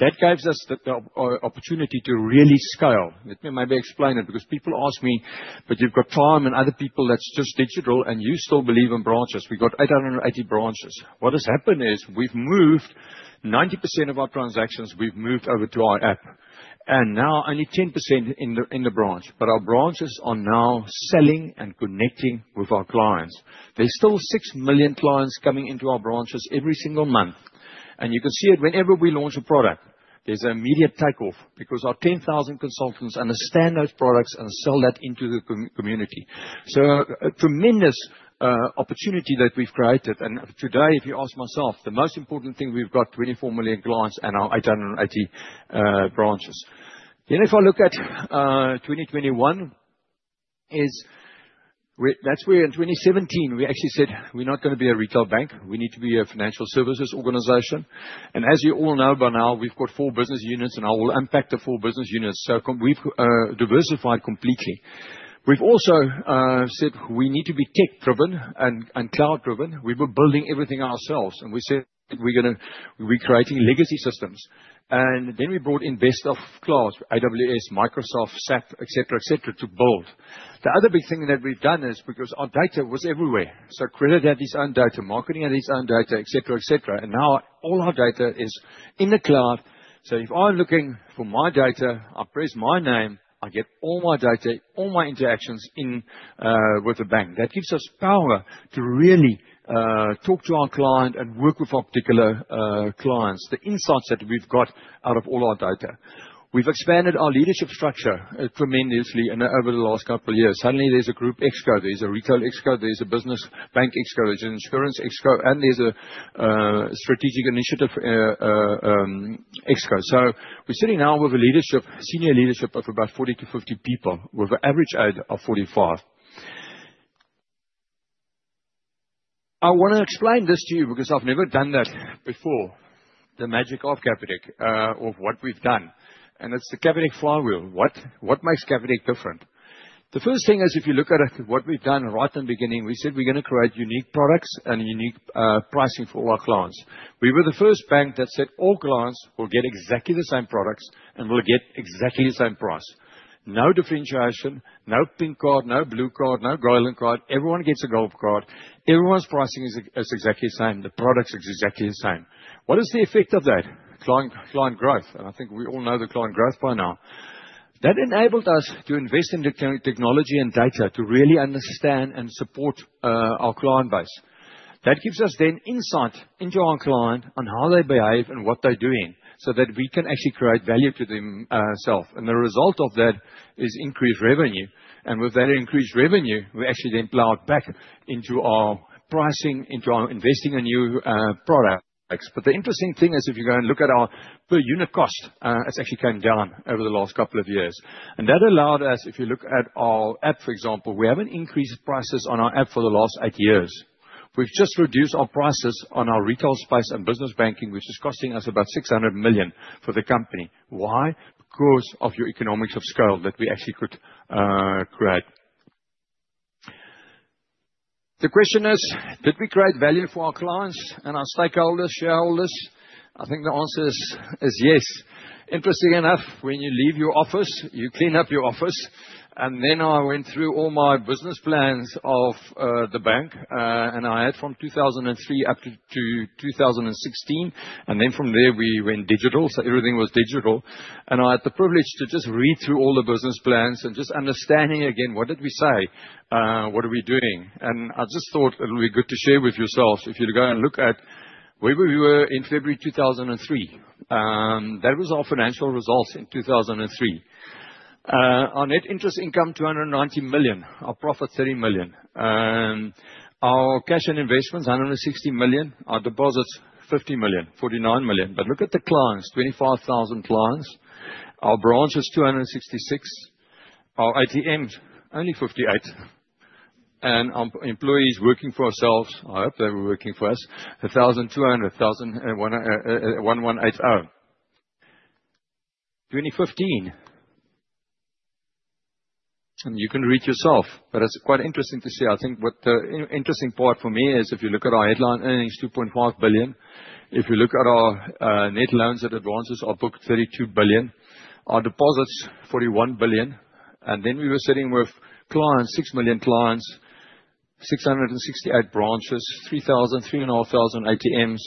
That gave us the opportunity to really scale. Let me maybe explain it. People ask me, "But you've got time and other people that's just digital, and you still believe in branches." We've got 880 branches. What has happened is we've moved 90% of our transactions. We've moved over to our app. Now only 10% in the branch. Our branches are now selling and connecting with our clients. There's still 6 million clients coming into our branches every single month. You can see it whenever we launch a product, there's an immediate takeoff. Our 10,000 consultants understand those products and sell that into the community. A tremendous opportunity that we've created. If you ask myself, the most important thing, we've got 24 million clients and 880 branches. If I look at 2021, that's where in 2017, we actually said we're not going to be a retail bank. We need to be a financial services organization. As you all know by now, we've got four business units, and I will unpack the four business units. We've diversified completely. We've also said we need to be tech-driven and cloud-driven. We were building everything ourselves. We said we're creating legacy systems. We brought in Investor of Cloud, AWS, Microsoft, SAP, etc., to build. The other big thing that we've done is because our data was everywhere. Credit had its own data, Marketing had its own data, etc. Now all our data is in the cloud. If I'm looking for my data, I press my name, I get all my data, all my interactions with the bank. That gives us power to really talk to our client and work with our particular clients, the insights that we've got out of all our data. We've expanded our leadership structure tremendously over the last couple of years. Suddenly, there's a group ExCo. There's a retail ExCo. There's a business bank ExCo. There's an insurance ExCo. There's a strategic initiative ExCo. We're sitting now with a senior leadership of about 40-50 people with an average age of 45. I want to explain this to you because I've never done that before, the magic of Capitec, of what we've done. It's the Capitec flywheel. What makes Capitec different? The first thing is if you look at what we've done right in the beginning, we said we're going to create unique products and unique pricing for all our clients. We were the first bank that said all clients will get exactly the same products and will get exactly the same price. No differentiation, no pink card, no blue card, no golden card. Everyone gets a gold card. Everyone's pricing is exactly the same. The product's exactly the same. What is the effect of that? Client growth. I think we all know the client growth by now. That enabled us to invest in the technology and data to really understand and support our client base. That gives us then insight into our client on how they behave and what they're doing so that we can actually create value to themselves. The result of that is increased revenue. With that increased revenue, we actually then plough it back into our pricing, into our investing in new products. The interesting thing is if you go and look at our per unit cost, it's actually come down over the last couple of years. That allowed us, if you look at our app, for example, we have not increased prices on our app for the last eight years. We have just reduced our prices on our retail space and business banking, which is costing us about 600 million for the company. Why? Because of your economics of scale that we actually could create. The question is, did we create value for our clients and our stakeholders, shareholders? I think the answer is yes. Interesting enough, when you leave your office, you clean up your office. I went through all my business plans of the bank, and I had from 2003 up to 2016. From there, we went digital. Everything was digital. I had the privilege to just read through all the business plans and just understanding again, what did we say? What are we doing? I just thought it would be good to share with yourselves if you go and look at where we were in February 2003. That was our financial results in 2003. Our net interest income, 290 million. Our profit, 30 million. Our cash and investments, 160 million. Our deposits, 50 million, 49 million. Look at the clients, 25,000 clients. Our branches, 266. Our ATMs, only 58. Our employees working for ourselves. I hope they were working for us. 1,200, 1,180. 2015. You can read yourself. It is quite interesting to see. I think what the interesting part for me is if you look at our headline earnings, 2.5 billion. If you look at our net loans and advances, our book 32 billion. Our deposits, 41 billion. We were sitting with clients, 6 million clients, 668 branches, 3,000, 3,500 ATMs,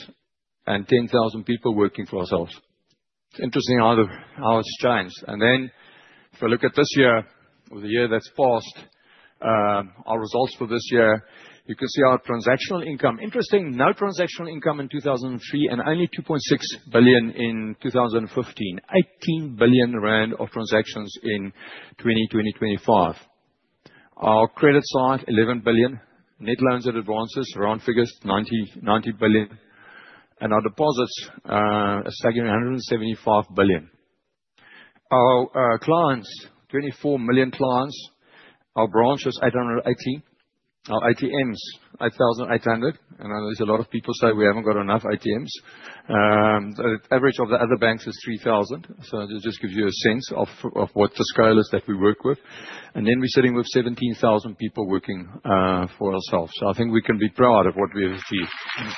and 10,000 people working for ourselves. It is interesting how it has changed. If I look at this year or the year that has passed. Our results for this year, you can see our transactional income. Interesting. No transactional income in 2003 and only 2.6 billion in 2015. 18 billion rand of transactions in 2020-2025. Our credit side, 11 billion. Net loans and advances, round figures, 90 billion. Our deposits. A staggering 175 billion. Our clients, 24 million clients. Our branches, 880. Our ATMs, 8,800. I know there is a lot of people say we have not got enough ATMs. The average of the other banks is 3,000. It just gives you a sense of what the scale is that we work with. We are sitting with 17,000 people working for ourselves. I think we can be proud of what we have achieved.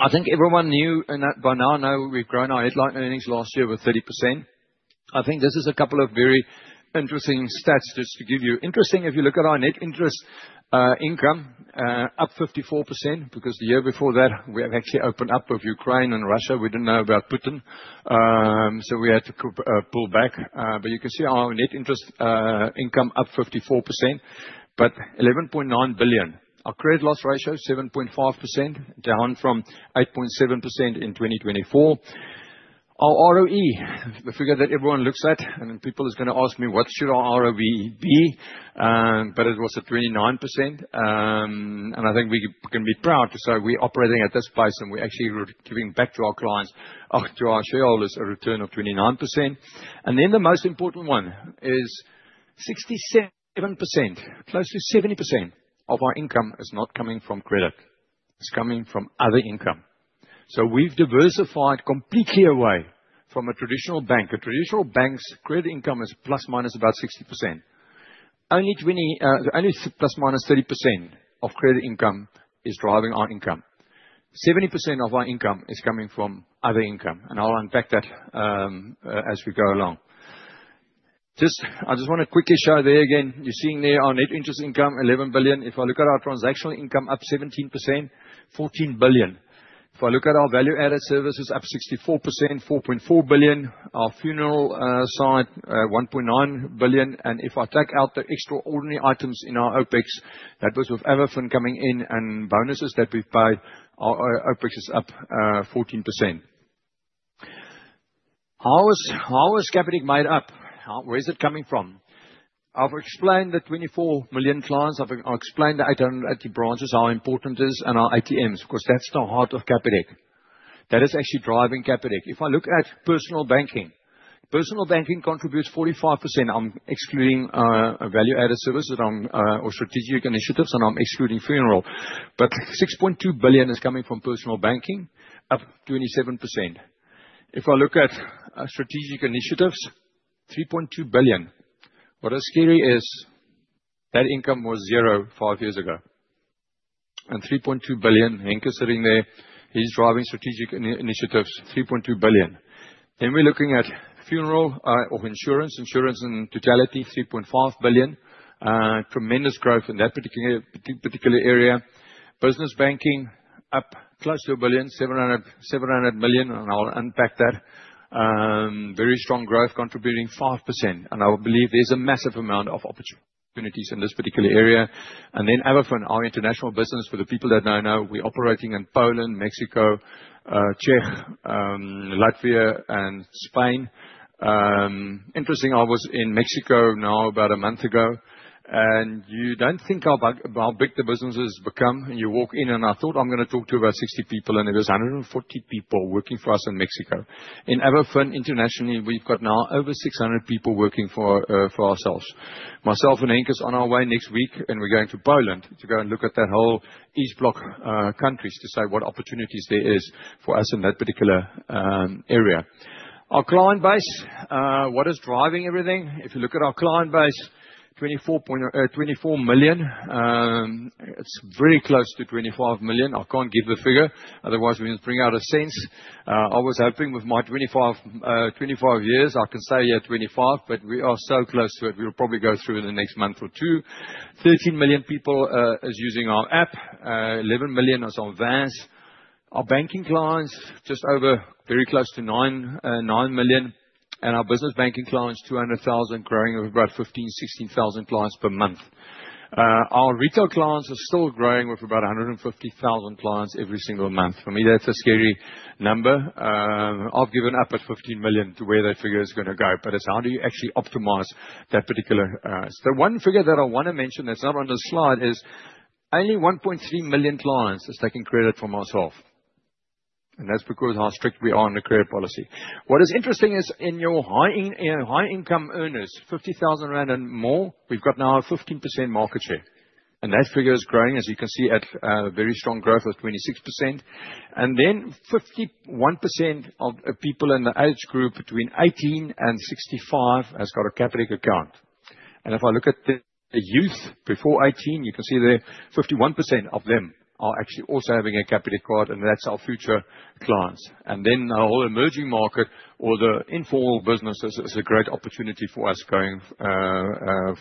I think everyone knew by now, we have grown our headline earnings last year with 30%. This is a couple of very interesting stats just to give you. Interesting, if you look at our net interest income, up 54% because the year before that, we have actually opened up with Ukraine and Russia. We did not know about Putin. We had to pull back. You can see our net interest income up 54%, at 11.9 billion. Our credit loss ratio, 7.5%, down from 8.7% in 2024. Our ROE, the figure that everyone looks at. People are going to ask me, "What should our ROE be?" It was at 29%. I think we can be proud to say we're operating at this pace and we're actually giving back to our clients, to our shareholders, a return of 29%. The most important one is 67%. Close to 70% of our income is not coming from credit. It's coming from other income. We've diversified completely away from a traditional bank. A traditional bank's credit income is plus minus about 60%. Only plus minus 30% of credit income is driving our income. 70% of our income is coming from other income. I'll unpack that as we go along. I just want to quickly show there again. You're seeing there our net interest income, 11 billion. If I look at our transactional income, up 17%, 14 billion. If I look at our value-added services, up 64%, 4.4 billion. Our funeral side, 1.9 billion. If I take out the extraordinary items in our OpEx, that was with Everfin coming in and bonuses that we've paid, our OpEx is up 14%. How is Capitec made up? Where's it coming from? I've explained the 24 million clients. I've explained the 880 branches, how important it is, and our ATMs. That's the heart of Capitec. That is actually driving Capitec. If I look at personal banking, personal banking contributes 45%. I'm excluding value-added services or strategic initiatives, and I'm excluding funeral. 6.2 billion is coming from personal banking, up 27%. If I look at strategic initiatives, 3.2 billion. What is scary is that income was zero five years ago. 3.2 billion, Henk is sitting there. He's driving strategic initiatives, 3.2 billion. Then we're looking at funeral or insurance, insurance in totality, 3.5 billion. Tremendous growth in that particular area. Business banking, up close to a billion, 700 million. I'll unpack that. Very strong growth, contributing 5%. I believe there's a massive amount of opportunities in this particular area. Everfin, our international business, for the people that don't know, we're operating in Poland, Mexico, Czech, Latvia, and Spain. Interesting, I was in Mexico now about a month ago. You don't think how big the business has become. You walk in, and I thought I was going to talk to about 60 people, and it was 140 people working for us in Mexico. In Everfin, internationally, we've got now over 600 people working for ourselves. Myself and Henk are on our way next week, and we're going to Poland to go and look at that whole East Bloc countries to say what opportunities there are for us in that particular area. Our client base, what is driving everything? If you look at our client base, 24. 24 million. It's very close to 25 million. I can't give the figure. Otherwise, we'll bring out a sense. I was hoping with my 25 years, I can say 25, but we are so close to it. We'll probably go through in the next month or two. 13 million people are using our app. 11 million is on VANS. Our banking clients, just over, very close to 9 million. Our business banking clients, 200,000, growing with about 15,000-16,000 clients per month. Our retail clients are still growing with about 150,000 clients every single month. For me, that's a scary number. I've given up at 15 million to where that figure is going to go. It's how do you actually optimize that particular. One figure that I want to mention that's not on the slide is only 1.3 million clients are taking credit from ourselves. That's because of how strict we are on the credit policy. What is interesting is in your high-income earners, 50,000 rand and more, we've got now a 15% market share. That figure is growing, as you can see, at a very strong growth of 26%. 51% of people in the age group between 18 and 65 has got a Capitec account. If I look at the youth before 18, you can see there 51% of them are actually also having a Capitec card, and that's our future clients. The whole emerging market, all the informal businesses is a great opportunity for us going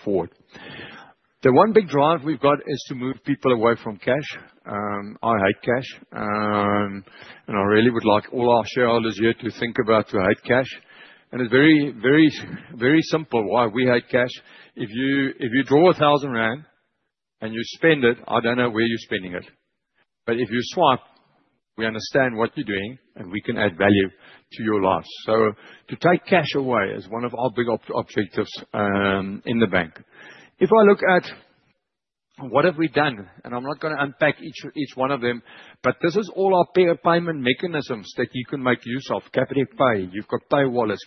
forward. The one big drive we've got is to move people away from cash. I hate cash. I really would like all our shareholders here to think about to hate cash. It's very simple why we hate cash. If you draw 1,000 rand and you spend it, I don't know where you're spending it. If you swipe, we understand what you're doing, and we can add value to your lives. To take cash away is one of our big objectives in the bank. If I look at what have we done, and I'm not going to unpack each one of them, but this is all our payment mechanisms that you can make use of. Capitec Pay, you've got PayWallet,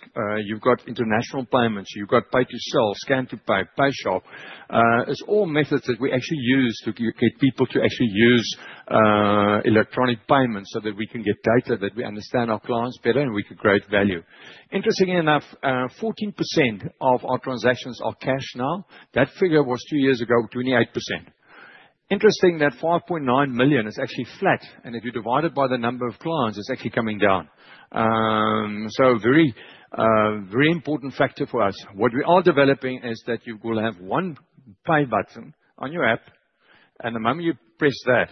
you've got international payments, you've got Pay2Sell, Scan2Pay, PayShap. It's all methods that we actually use to get people to actually use electronic payments so that we can get data that we understand our clients better and we can create value. Interestingly enough, 14% of our transactions are cash now. That figure was two years ago, 28%. Interesting that 5.9 million is actually flat. If you divide it by the number of clients, it's actually coming down. Very important factor for us. What we are developing is that you will have one pay button on your app. The moment you press that,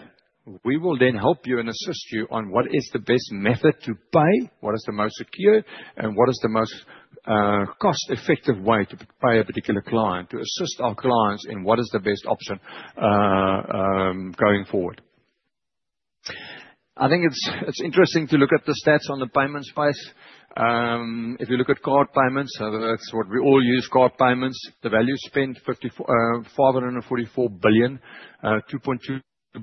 we will then help you and assist you on what is the best method to pay, what is the most secure, and what is the most cost-effective way to pay a particular client, to assist our clients in what is the best option. Going forward, I think it's interesting to look at the stats on the payments space. If you look at card payments, that's what we all use, card payments, the value spent, 544 billion, 2.2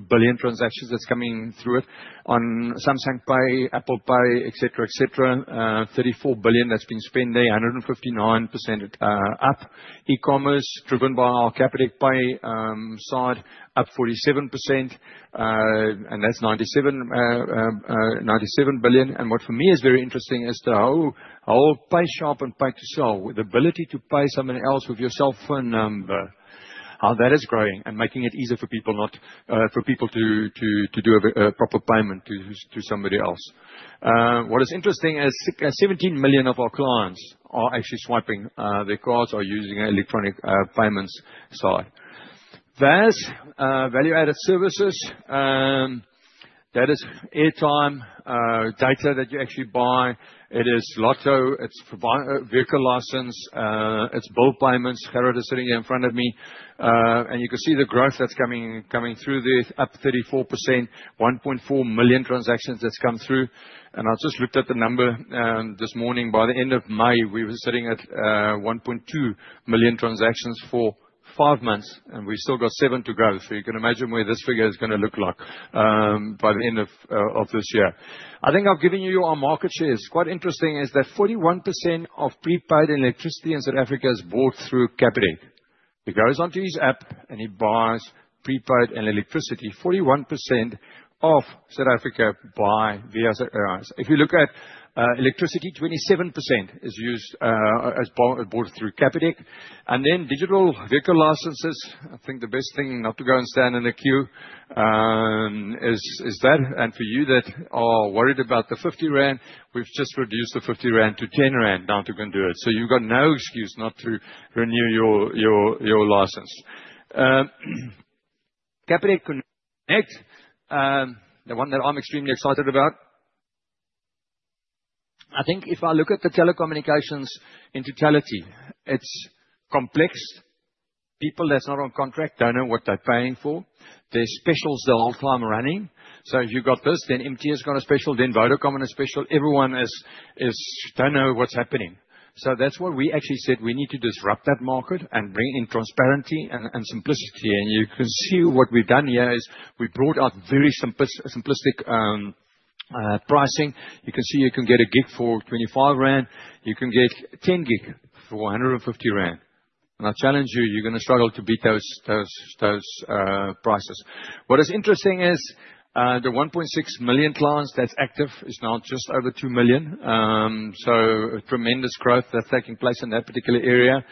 billion transactions that's coming through it. On Samsung Pay, Apple Pay, etc., etc., 34 billion that's been spent there, 159% up. E-commerce driven by our Capitec Pay side, up 47%. And that's 97 billion. What for me is very interesting is the whole PayShap and Pay2Sell with the ability to pay somebody else with your cell phone number, how that is growing and making it easier for people to do a proper payment to somebody else. What is interesting is 17 million of our clients are actually swiping their cards or using electronic payments side. VANS, value-added services, that is airtime, data that you actually buy. It is Lotto, it's vehicle license, it's bill payments. Gerhardus is sitting here in front of me. You can see the growth that's coming through there, up 34%, 1.4 million transactions that's come through. I just looked at the number this morning. By the end of May, we were sitting at 1.2 million transactions for five months, and we still got seven to go. You can imagine where this figure is going to look like by the end of this year. I think I've given you our market shares. Quite interesting is that 41% of prepaid electricity in South Africa is bought through Capitec. It goes onto his app, and he buys prepaid and electricity. 41% of South Africa buy via their eyes. If you look at electricity, 27% is used, bought through Capitec. Then digital vehicle licenses, I think the best thing not to go and stand in a queue is that. For you that are worried about the 50 rand, we've just reduced the 50 rand to 10 rand now to go and do it. You've got no excuse not to renew your license. Capitec Connect, the one that I'm extremely excited about. I think if I look at the telecommunications in totality, it's complex. People that's not on contract don't know what they're paying for. There's specials the whole time running. If you've got this, then MTN's got a special, then Vodacom on a special. Everyone is, don't know what's happening. That's what we actually said. We need to disrupt that market and bring in transparency and simplicity. You can see what we've done here is we brought out very simplistic pricing. You can see you can get a gig for 25 rand. You can get 10 gig for 150 rand. I challenge you, you're going to struggle to beat those prices. What is interesting is the 1.6 million clients that's active is now just over 2 million. Tremendous growth is taking place in that particular area.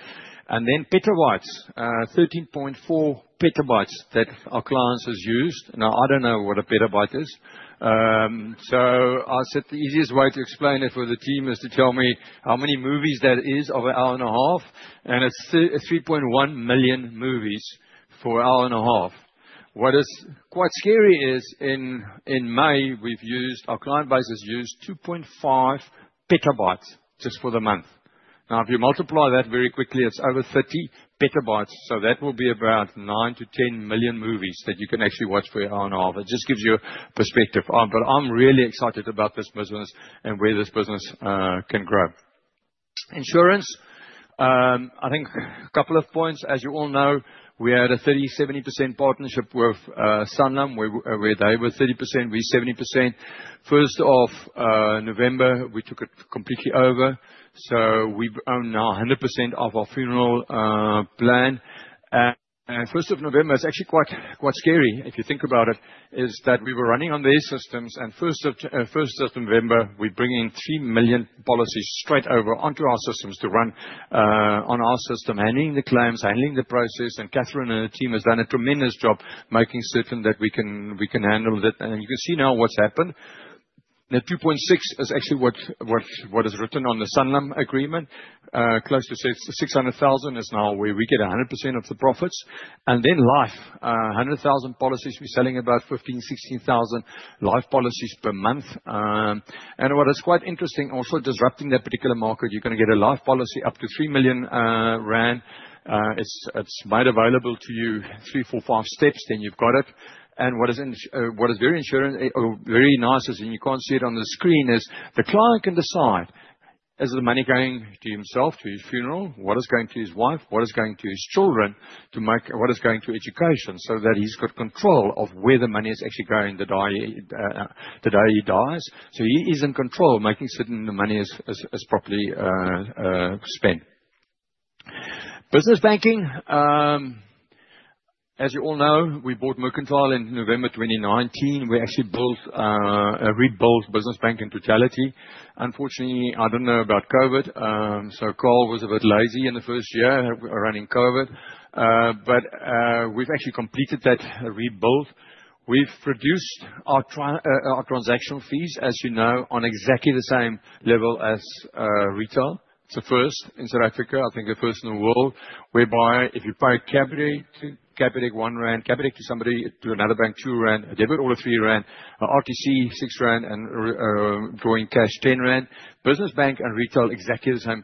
Petabytes, 13.4 petabytes that our clients have used. I don't know what a petabyte is. I said the easiest way to explain it for the team is to tell me how many movies that is of an hour and a half. It's 3.1 million movies for an hour and a half. What is quite scary is in May, our client base has used 2.5 petabytes just for the month. If you multiply that very quickly, it's over 30 petabytes. That will be about 9-10 million movies that you can actually watch for an hour and a half. It just gives you perspective. I'm really excited about this business and where this business can grow. Insurance. A couple of points. As you all know, we had a 30-70% partnership with Sanlam. We were there with 30%, we 70%. First of November, we took it completely over. We own now 100% of our funeral plan. First of November, it's actually quite scary if you think about it, is that we were running on these systems. First of November, we bring in 3 million policies straight over onto our systems to run on our system, handling the claims, handling the process. Catherine and her team have done a tremendous job making certain that we can handle that. You can see now what's happened. Now, 2.6 is actually what is written on the Sanlam agreement. Close to 600,000 is now where we get 100% of the profits. Life, 100,000 policies, we're selling about 15,000-16,000 life policies per month. What is quite interesting, also disrupting that particular market, you're going to get a life policy up to 3 million rand. It's made available to you three, four, five steps, then you've got it. What is very nice is, and you can't see it on the screen, is the client can decide, is the money going to himself, to his funeral? What is going to his wife? What is going to his children? What is going to education? So that he's got control of where the money is actually going the day he dies. He is in control of making certain the money is properly spent. Business banking. As you all know, we bought Mercantile in November 2019. We actually rebuilt business bank in totality. Unfortunately, I didn't know about COVID. Carl was a bit lazy in the first year running COVID. We've actually completed that rebuild. We've reduced our transactional fees, as you know, on exactly the same level as retail. It's the first in South Africa, I think the first in the world, whereby if you pay Capitec. One rand, Capitec to another bank, two rand, a debit or a three rand, RTGS six rand, and drawing cash, 10 rand. Business bank and retail exactly the same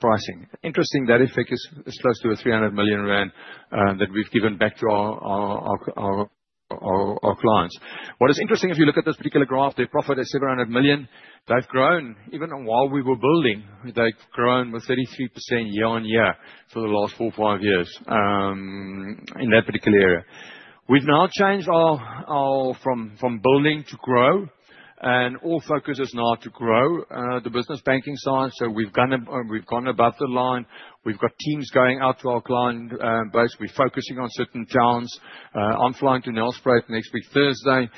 pricing. Interesting that it focuses close to a 300 million rand that we've given back to our clients. What is interesting, if you look at this particular graph, their profit is 700 million. They've grown even while we were building. They've grown with 33% year on year for the last four, five years. In that particular area, we've now changed our building to grow, and all focus is now to grow the business banking side. We've gone above the line. We've got teams going out to our client base. We're focusing on certain towns. I'm flying to Nelspruit next week, Thursday,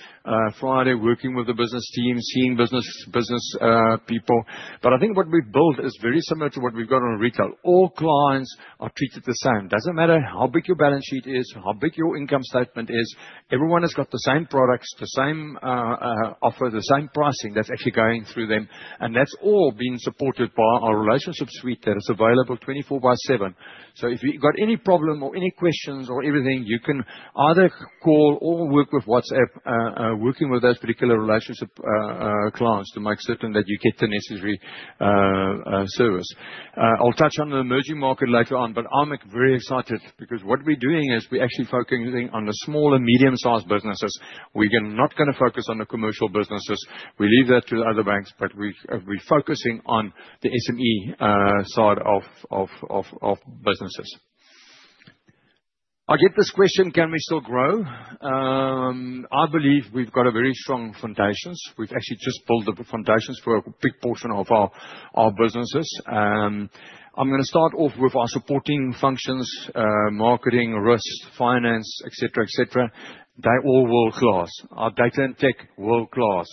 Friday, working with the business team, seeing business people. I think what we've built is very similar to what we've got on retail. All clients are treated the same. It doesn't matter how big your balance sheet is, how big your income statement is. Everyone has got the same products, the same offer, the same pricing that's actually going through them. That's all being supported by our relationship suite that is available If you've got any problem or any questions or everything, you can either call or work with WhatsApp, working with those particular relationship clients to make certain that you get the necessary service. I'll touch on the emerging market later on, but I'm very excited because what we're doing is we're actually focusing on the small and medium-sized businesses. We're not going to focus on the commercial businesses. We leave that to other banks, but we're focusing on the SME side of businesses. I get this question, can we still grow? I believe we've got very strong foundations. We've actually just built the foundations for a big portion of our businesses. I'm going to start off with our supporting functions, marketing, risk, finance, etc., etc. They all world-class. Our data and tech world-class.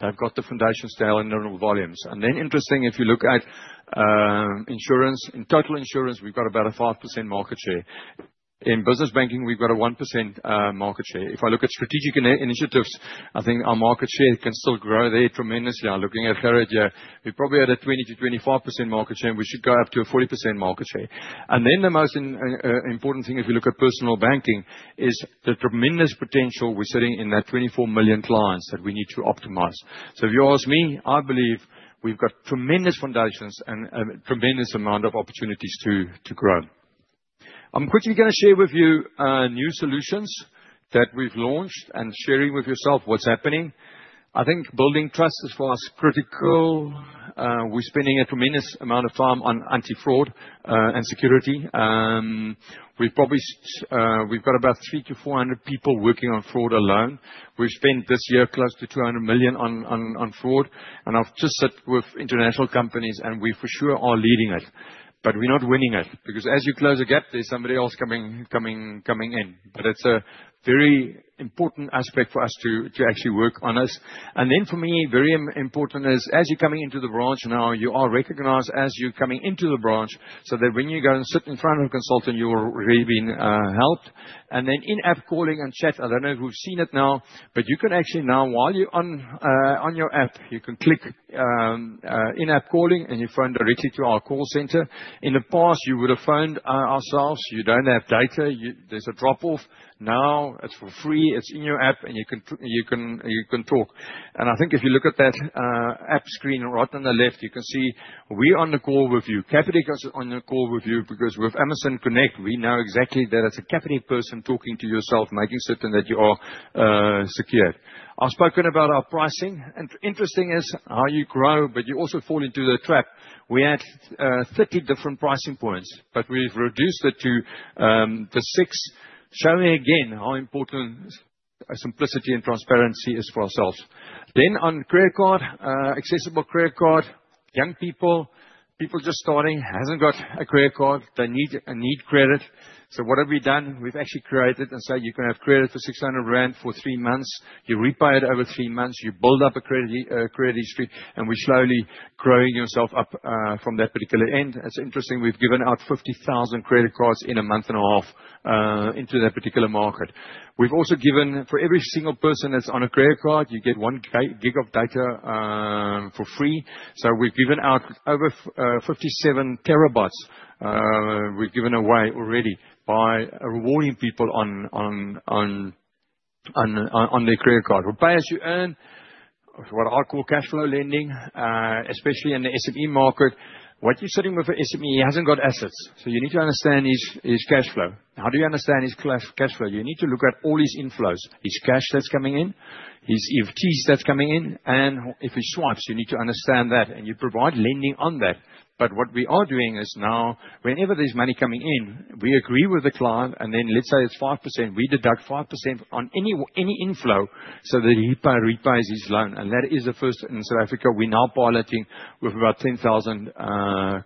They've got the foundations to help in the volumes. Interesting, if you look at insurance, in total insurance, we've got about a 5% market share. In business banking, we've got a 1% market share. If I look at strategic initiatives, I think our market share can still grow there tremendously. I'm looking at Henk. We probably had a 20-25% market share. We should go up to a 40% market share. The most important thing, if you look at personal banking, is the tremendous potential we're sitting in that 24 million clients that we need to optimize. If you ask me, I believe we've got tremendous foundations and a tremendous amount of opportunities to grow. I'm quickly going to share with you new solutions that we've launched and sharing with yourself what's happening. I think building trust is for us critical. We're spending a tremendous amount of time on anti-fraud and security. We've probably got about 300-400 people working on fraud alone. We've spent this year close to 200 million on fraud. I've just sat with international companies, and we for sure are leading it. We're not winning it because as you close a gap, there's somebody else coming in. It's a very important aspect for us to actually work on this. For me, very important is as you're coming into the branch now, you are recognized as you're coming into the branch so that when you go and sit in front of a consultant, you will really be helped. In-app calling and chat, I don't know if we've seen it now, but you can actually now, while you're on your app, you can click. In-app calling, and you phone directly to our call center. In the past, you would have phoned ourselves. You don't have data. There's a drop-off. Now it's for free. It's in your app, and you can talk. I think if you look at that app screen right on the left, you can see we're on the call with you. Capitec is on the call with you because with Amazon Connect, we know exactly that it's a Capitec person talking to yourself, making certain that you are secured. I've spoken about our pricing. Interesting is how you grow, but you also fall into the trap. We had 30 different pricing points, but we've reduced it to the six. Show me again how important simplicity and transparency is for ourselves. On credit card, accessible credit card, young people, people just starting, haven't got a credit card, they need credit. What have we done? We've actually created and said you can have credit for 600 rand for three months. You repay it over three months. You build up a credit history, and we're slowly growing yourself up from that particular end. It's interesting. We've given out 50,000 credit cards in a month and a half into that particular market. We've also given, for every single person that's on a credit card, you get 1 GB of data for free. We've given out over 57 TB. We've given away already by rewarding people on their credit card. We pay as you earn, what I call cash flow lending, especially in the SME market. What you're sitting with for SME, he hasn't got assets. You need to understand his cash flow. How do you understand his cash flow? You need to look at all his inflows, his cash that's coming in, his EFTs that's coming in. If he swipes, you need to understand that. You provide lending on that. What we are doing is now, whenever there's money coming in, we agree with the client. Let's say it's 5%. We deduct 5% on any inflow so that he repays his loan. That is the first in South Africa. We're now piloting with about 10,000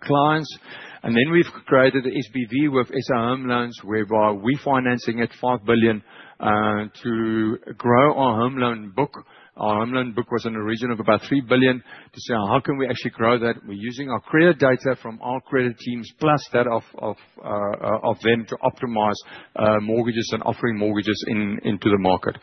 clients. We have created the SBV with SRM loans, whereby we're financing at 5 billion to grow our home loan book. Our home loan book was in the region of about 3 billion to say, how can we actually grow that? We're using our credit data from our credit teams plus that of them to optimize mortgages and offering mortgages into the market.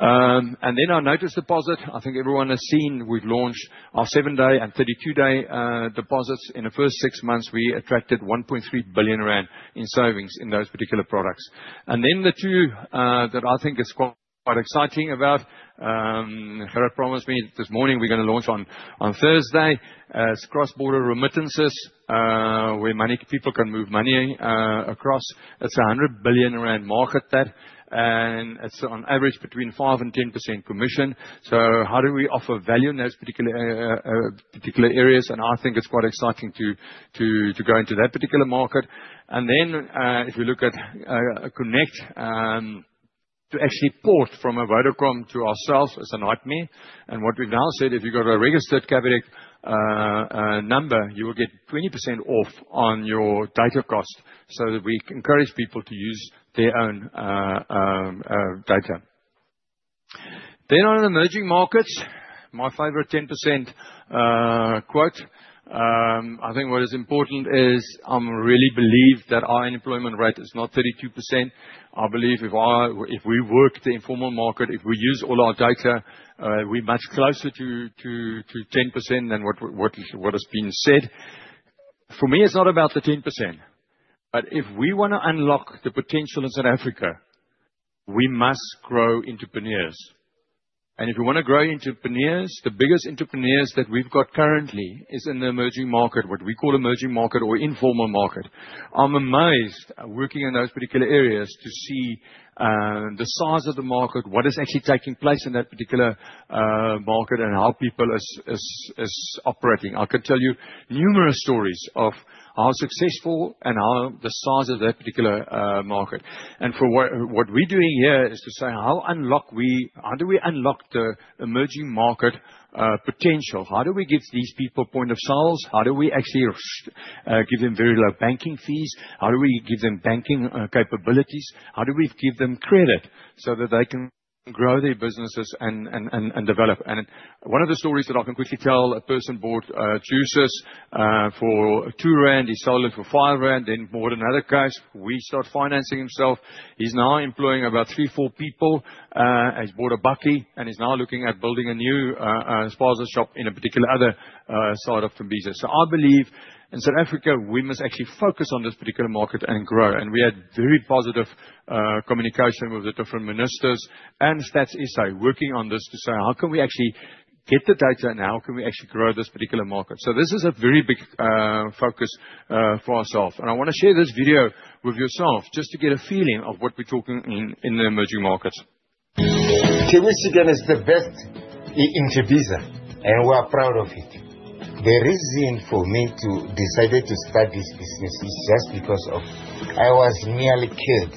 Our notice deposit, I think everyone has seen, we've launched our seven-day and 32-day deposits. In the first six months, we attracted 1.3 billion rand in savings in those particular products. The two that I think are quite exciting—Henk promised me this morning we're going to launch on Thursday—are cross-border remittances, where people can move money across. It's a 100 billion rand market, and it's on average between 5%-10% commission. How do we offer value in those particular areas? I think it's quite exciting to go into that particular market. If we look at Connect, to actually port from a Vodacom to ourselves is a nightmare. What we've now said is, if you've got a registered Capitec number, you will get 20% off on your data cost. We encourage people to use their own data. On emerging markets, my favorite 10% quote: I think what is important is I really believe that our unemployment rate is not 32%. I believe if we work the informal market, if we use all our data, we're much closer to 10% than what has been said. For me, it's not about the 10%. If we want to unlock the potential in South Africa, we must grow entrepreneurs. If you want to grow entrepreneurs, the biggest entrepreneurs that we've got currently are in the emerging market, what we call emerging market or informal market. I'm amazed working in those particular areas to see the size of the market, what is actually taking place in that particular market, and how people are operating. I could tell you numerous stories of how successful and how the size of that particular market. What we're doing here is to say, how do we unlock the emerging market potential? How do we give these people point-of-sale machines? How do we actually give them very low banking fees? How do we give them banking capabilities? How do we give them credit so that they can grow their businesses and develop? One of the stories that I can quickly tell: a person bought juices for 2 rand. He sold it for 5 rand, then bought another case. We start financing himself. He's now employing about three, four people. He's bought a bucket, and he's now looking at building a new sponsorship in a particular other side of Fimbisa. I believe in South Africa, we must actually focus on this particular market and grow. We had very positive communication with the different ministers and Stats SA working on this to say, how can we actually get the data and how can we actually grow this particular market? This is a very big focus for ourselves. I want to share this video with yourself just to get a feeling of what we're talking in the emerging markets. Terwis again is the best. Into Visa, and we're proud of it. The reason for me to decide to start this business is just because I was nearly killed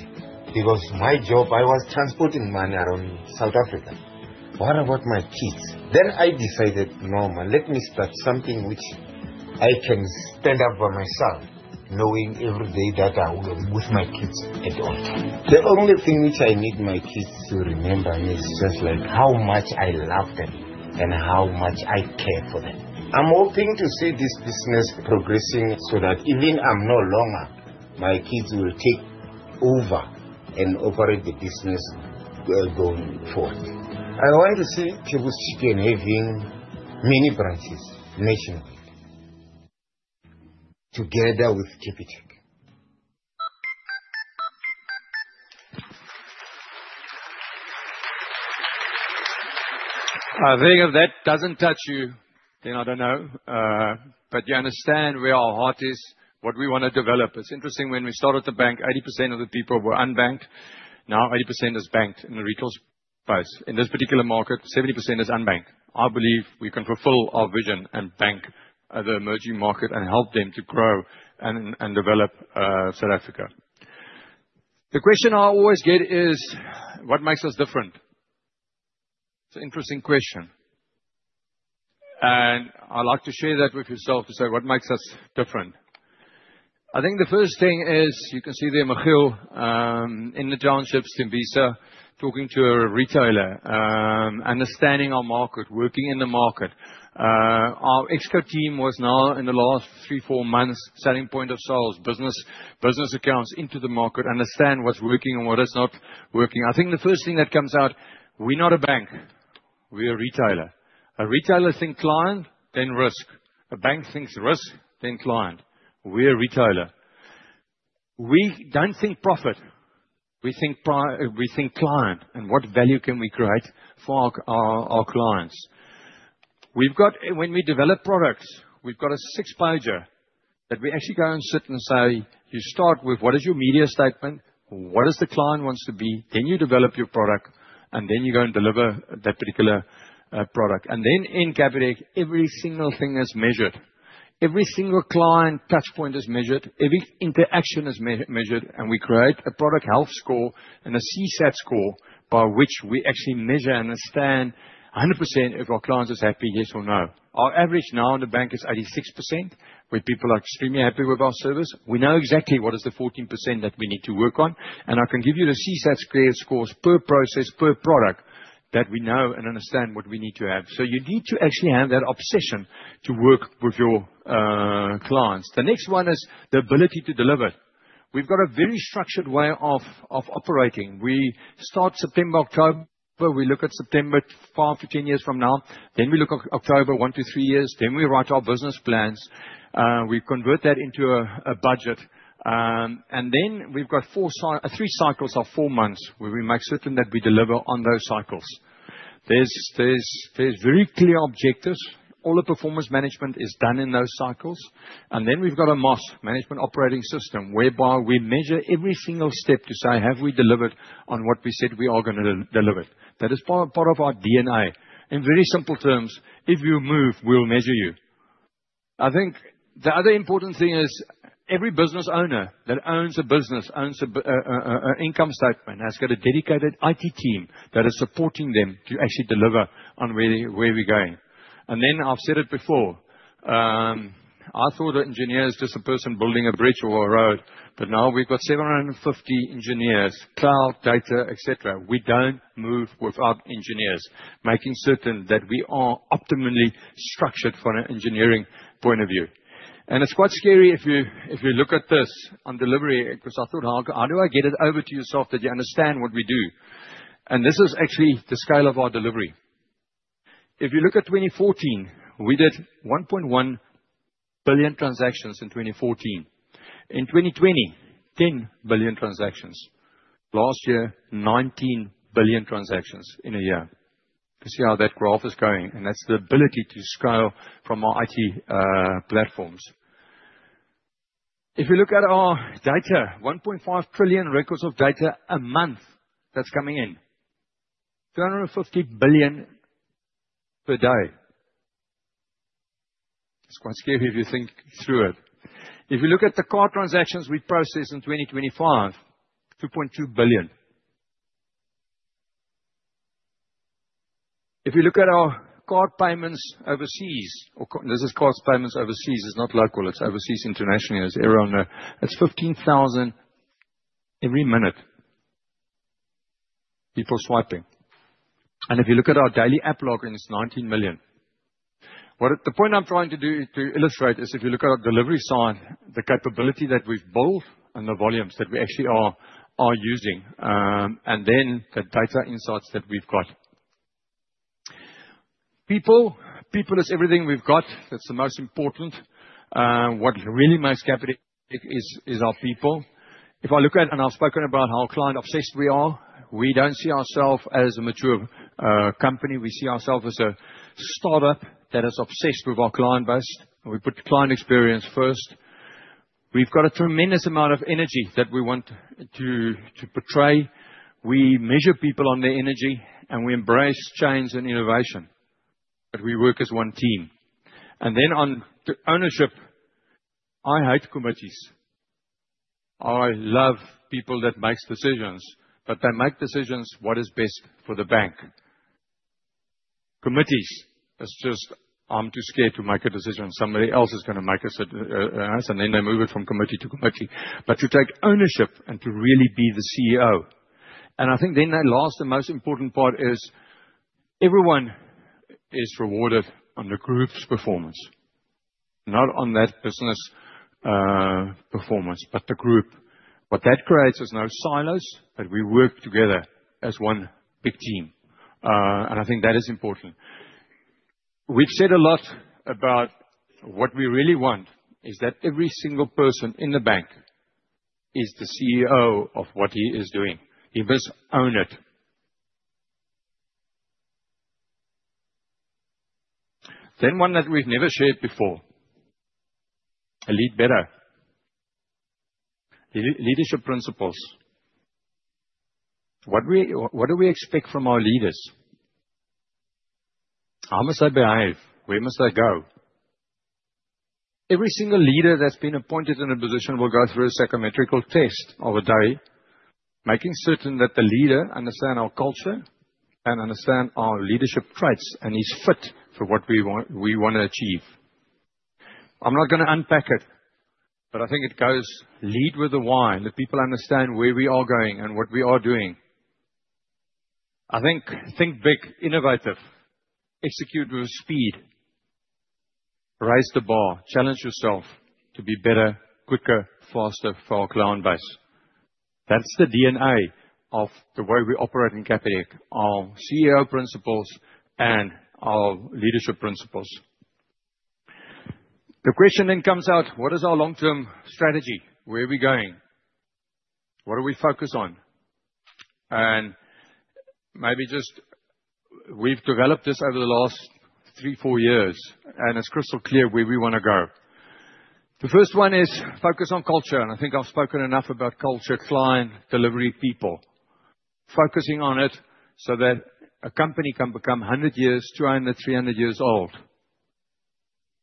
because my job, I was transporting money around South Africa. What about my kids? Then I decided, no, man, let me start something which I can stand up by myself, knowing every day that I will be with my kids at all times. The only thing which I need my kids to remember is just how much I love them and how much I care for them. I'm hoping to see this business progressing so that even when I'm no longer, my kids will take over and operate the business. Going forward, I want to see Terwis again having many branches nationally. Together with Capitec. I think if that doesn't touch you, then I don't know. You understand where our heart is, what we want to develop. It's interesting when we started the bank, 80% of the people were unbanked. Now 80% is banked in the retail space. In this particular market, 70% is unbanked. I believe we can fulfill our vision and bank the emerging market and help them to grow and develop South Africa. The question I always get is, what makes us different? It's an interesting question. I'd like to share that with yourself to say what makes us different. I think the first thing is you can see there Michiel. In the townships in Visa talking to a retailer, understanding our market, working in the market. Our ExCo team was now in the last three, four months selling point-of-sale, business accounts into the market, understand what's working and what is not working. I think the first thing that comes out, we're not a bank. We're a retailer. A retailer thinks client, then risk. A bank thinks risk, then client. We're a retailer. We don't think profit. We think client and what value can we create for our clients. When we develop products, we've got a six-pager that we actually go and sit and say, you start with what is your media statement, what does the client want to be, then you develop your product, and then you go and deliver that particular product. In Capitec, every single thing is measured. Every single client touchpoint is measured. Every interaction is measured. We create a product health score and a CSAT score by which we actually measure and understand 100% if our client is happy, yes or no. Our average now in the bank is 86%, where people are extremely happy with our service. We know exactly what is the 14% that we need to work on. I can give you the CSAT scores per process, per product that we know and understand what we need to have. You need to actually have that obsession to work with your clients. The next one is the ability to deliver. We have a very structured way of operating. We start September, October. We look at September 5-10 years from now. We look at October one to three years. We write our business plans. We convert that into a budget. We have three cycles of four months where we make certain that we deliver on those cycles. There are very clear objectives. All the performance management is done in those cycles. We have a MOS, Management Operating System, whereby we measure every single step to say, have we delivered on what we said we are going to deliver? That is part of our DNA. In very simple terms, if you move, we will measure you. I think the other important thing is every business owner that owns a business, owns an income statement, has a dedicated IT team that is supporting them to actually deliver on where we are going. I have said it before. I thought an engineer is just a person building a bridge or a road, but now we have 750 engineers, cloud, data, etc. We do not move without engineers, making certain that we are optimally structured from an engineering point of view. It is quite scary if you look at this on delivery because I thought, how do I get it over to yourself that you understand what we do? This is actually the scale of our delivery. If you look at 2014, we did 1.1 billion transactions in 2014. In 2020, 10 billion transactions. Last year, 19 billion transactions in a year. You see how that graph is going. That is the ability to scale from our IT platforms. If you look at our data, 1.5 trillion records of data a month that is coming in. 250 billion per day. It is quite scary if you think through it. If you look at the card transactions we process in 2025, 2.2 billion. If you look at our card payments overseas, this is card payments overseas. It is not local. It is overseas, internationally. It is 15,000 every minute. People swiping. If you look at our daily app logging, it is 19 million. The point I am trying to illustrate is if you look at our delivery side, the capability that we have built and the volumes that we actually are using, and then the data insights that we have. People is everything we have. That is the most important. What really makes Capitec is our people. If I look at, and I've spoken about how client-obsessed we are, we don't see ourselves as a mature company. We see ourselves as a startup that is obsessed with our client base. We put client experience first. We've got a tremendous amount of energy that we want to portray. We measure people on their energy, and we embrace change and innovation. We work as one team. On ownership, I hate committees. I love people that make decisions, but they make decisions on what is best for the bank. Committees, it's just I'm too scared to make a decision. Somebody else is going to make a decision, and then they move it from committee to committee. To take ownership and to really be the CEO. I think the last and most important part is everyone is rewarded on the group's performance, not on that business performance, but the group. What that creates is no silos, but we work together as one big team. I think that is important. We've said a lot about what we really want is that every single person in the bank is the CEO of what he is doing. He must own it. Then one that we've never shared before, a lead better, leadership principles. What do we expect from our leaders? How must I behave? Where must I go? Every single leader that's been appointed in a position will go through a psychometrical test over a day, making certain that the leader understands our culture and understands our leadership traits and is fit for what we want to achieve. I'm not going to unpack it, but I think it goes lead with the why, and the people understand where we are going and what we are doing. I think think big, innovative, execute with speed. Raise the bar, challenge yourself to be better, quicker, faster for our client base. That's the DNA of the way we operate in Capitec, our CEO principles and our leadership principles. The question then comes out, what is our long-term strategy? Where are we going? What do we focus on? Maybe just, we've developed this over the last three, four years, and it's crystal clear where we want to go. The first one is focus on culture. I think I've spoken enough about culture, client, delivery people. Focusing on it so that a company can become 100 years, 200, 300 years old.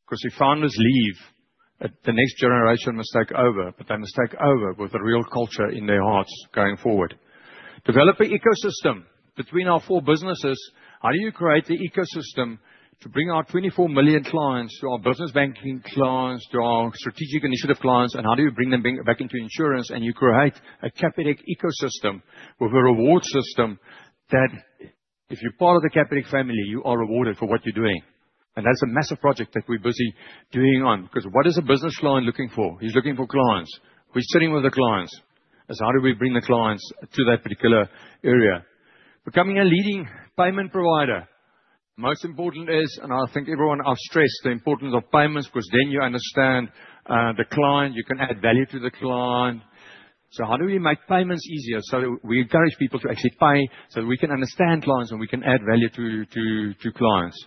Because the founders leave, the next generation must take over, but they must take over with a real culture in their hearts going forward. Develop an ecosystem between our four businesses. How do you create the ecosystem to bring our 24 million clients, to our business banking clients, to our strategic initiative clients, and how do you bring them back into insurance? You create a Capitec ecosystem with a reward system that if you're part of the Capitec family, you are rewarded for what you're doing. That's a massive project that we're busy doing on. Because what is a business client looking for? He's looking for clients. We're sitting with the clients. It's how do we bring the clients to that particular area? Becoming a leading payment provider. Most important is, and I think everyone, I've stressed the importance of payments because then you understand the client. You can add value to the client. How do we make payments easier so that we encourage people to actually pay so that we can understand clients and we can add value to clients?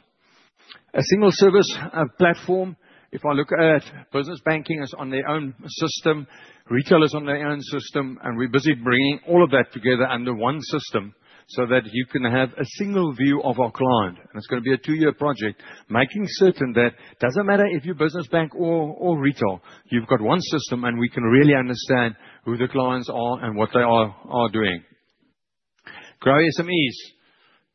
A single service platform. If I look at business banking as on their own system, retailers on their own system, and we're busy bringing all of that together under one system so that you can have a single view of our client. It's going to be a two-year project, making certain that it doesn't matter if you're business bank or retail. You've got one system, and we can really understand who the clients are and what they are doing. Grow SMEs.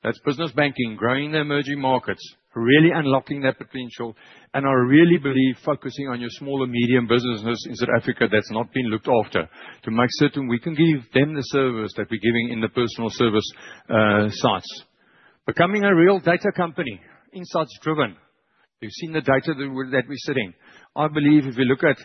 That's business banking, growing the emerging markets, really unlocking that potential. I really believe focusing on your small and medium businesses in South Africa that's not been looked after to make certain we can give them the service that we're giving in the personal service. Sites. Becoming a real data company, insights-driven. You've seen the data that we're sitting. I believe if you look at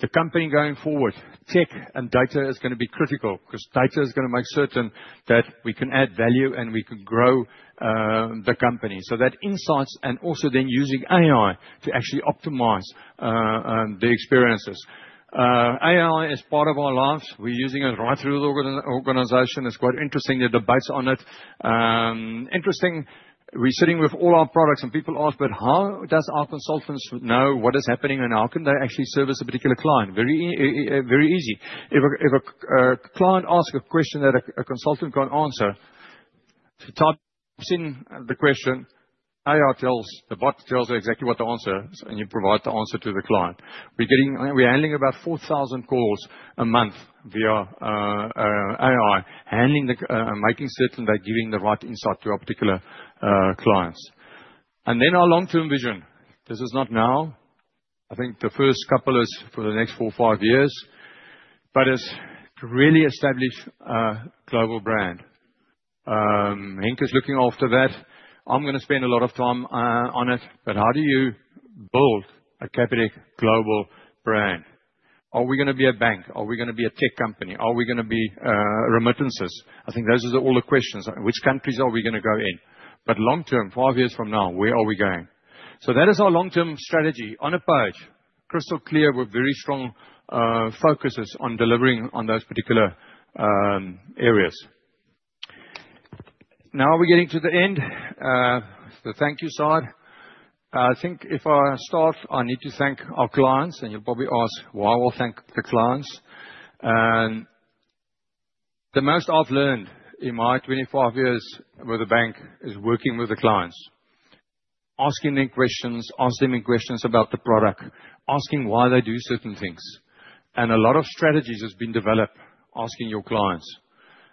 the company going forward, tech and data is going to be critical because data is going to make certain that we can add value and we can grow the company. That insights and also then using AI to actually optimize. The experiences. AI is part of our lives. We're using it right through the organization. It's quite interesting. There are debates on it. Interesting. We're sitting with all our products, and people ask, but how does our consultants know what is happening and how can they actually service a particular client? Very easy. If a client asks a question that a consultant can't answer, types in the question, AI tells the bot, tells you exactly what the answer is, and you provide the answer to the client. We're handling about 4,000 calls a month via AI, making certain they're giving the right insight to our particular clients. Our long-term vision. This is not now. I think the first couple is for the next four or five years, but it's to really establish a global brand. Henk is looking after that. I'm going to spend a lot of time on it, but how do you build a Capitec global brand? Are we going to be a bank? Are we going to be a tech company? Are we going to be remittances? I think those are all the questions. Which countries are we going to go in? Long-term, five years from now, where are we going? That is our long-term strategy. On a page, crystal clear, with very strong focuses on delivering on those particular areas. Now we're getting to the end, the thank you side. I think if I start, I need to thank our clients, and you'll probably ask, why will I thank the clients? The most I've learned in my 25 years with a bank is working with the clients. Asking them questions, asking them questions about the product, asking why they do certain things. And a lot of strategies have been developed asking your clients.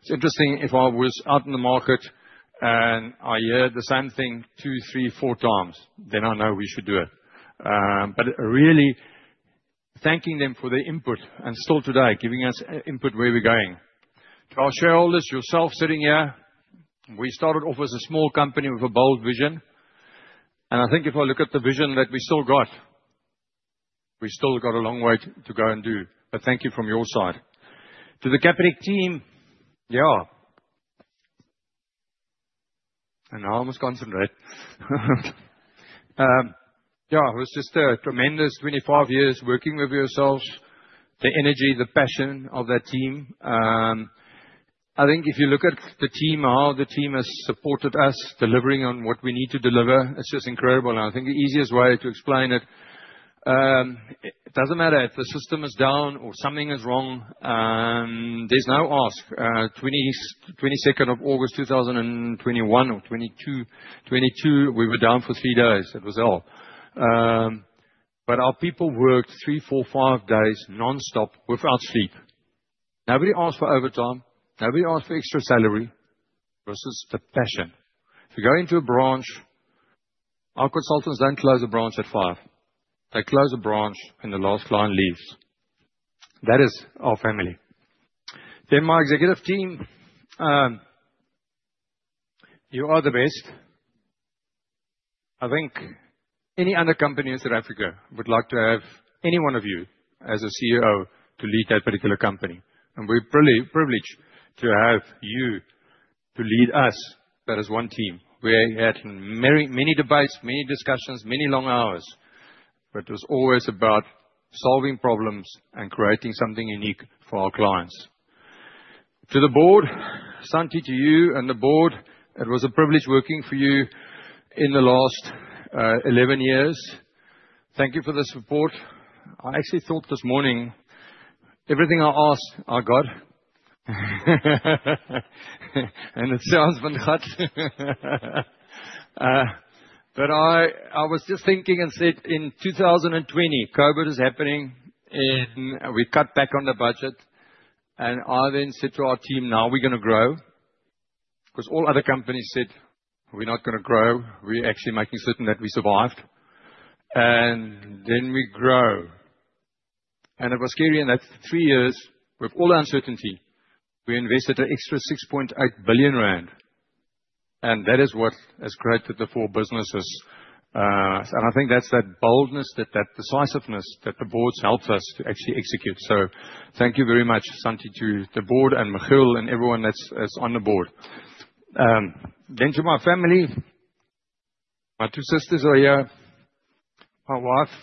It's interesting if I was out in the market and I heard the same thing two, three, four times, then I know we should do it. Really, thanking them for their input and still today giving us input where we're going. To our shareholders, yourself sitting here, we started off as a small company with a bold vision. I think if I look at the vision that we still got, we've still got a long way to go and do. Thank you from your side. To the Capitec team, yeah, and I almost concentrate, yeah, it was just a tremendous 25 years working with yourselves, the energy, the passion of that team. I think if you look at the team, how the team has supported us delivering on what we need to deliver, it's just incredible. I think the easiest way to explain it, it doesn't matter if the system is down or something is wrong, there's no ask. 22nd of August, 2021, or 2022, we were down for three days. It was all, but our people worked three, four, five days non-stop without sleep. Nobody asked for overtime. Nobody asked for extra salary. This is the passion. If you go into a branch, our consultants don't close a branch at five. They close a branch when the last client leaves. That is our family. Then my executive team, you are the best. I think any other company in South Africa would like to have any one of you as a CEO to lead that particular company. We're privileged to have you to lead us. That is one team. We had many debates, many discussions, many long hours, but it was always about solving problems and creating something unique for our clients. To the board, Santie, to you and the board, it was a privilege working for you in the last 11 years. Thank you for the support. I actually thought this morning, everything I asked, I got. It sounds for the cut, but I was just thinking and said, in 2020, COVID is happening, and we cut back on the budget. I then said to our team, now we're going to grow. All other companies said, we're not going to grow. We're actually making certain that we survived. We grow. It was scary in that three years with all the uncertainty, we invested an extra 6.8 billion rand. That is what has created the four businesses. I think that boldness, that decisiveness that the board has helped us to actually execute. Thank you very much, Santie, to the board and Michelle and everyone that is on the board. To my family, my two sisters are here, my wife.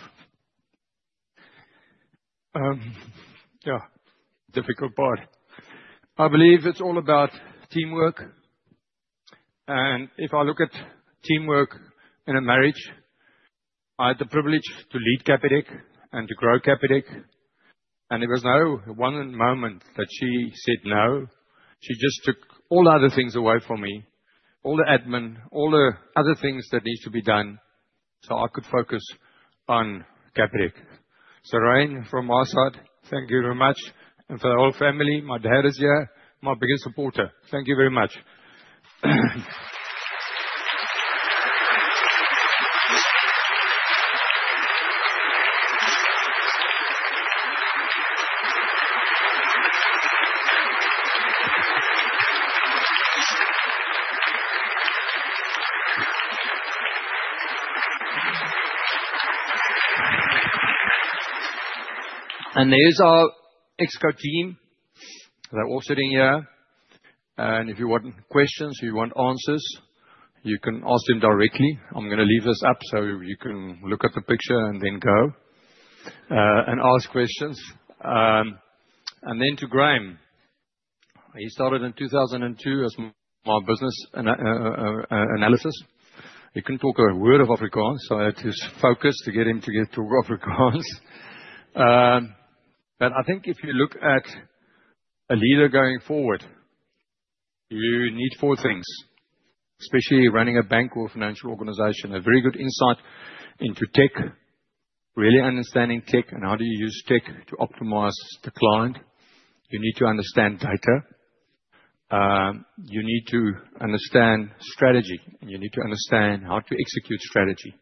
Yeah, difficult part. I believe it is all about teamwork. If I look at teamwork in a marriage, I had the privilege to lead Capitec and to grow Capitec. There was no one moment that she said no. She just took all other things away from me, all the admin, all the other things that need to be done so I could focus on Capitec. Rain, from my side, thank you very much. For the whole family, my dad is here, my biggest supporter. Thank you very much. There is our ExCo team. They are all sitting here. If you want questions, you want answers, you can ask them directly. I am going to leave this up so you can look at the picture and then go and ask questions. To Graham, he started in 2002 as my business analysis. He could not talk a word of Afrikaans, so I had to focus to get him to talk Afrikaans. I think if you look at a leader going forward, you need four things, especially running a bank or financial organization: a very good insight into tech, really understanding tech, and how you use tech to optimize the client. You need to understand data. You need to understand strategy, and you need to understand how to execute strategy.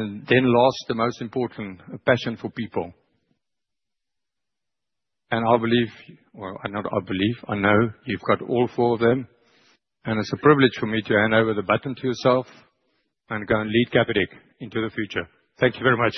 Last, the most important, a passion for people. I believe, not I believe, I know you have got all four of them. It is a privilege for me to hand over the baton to yourself and go and lead Capitec into the future. Thank you very much.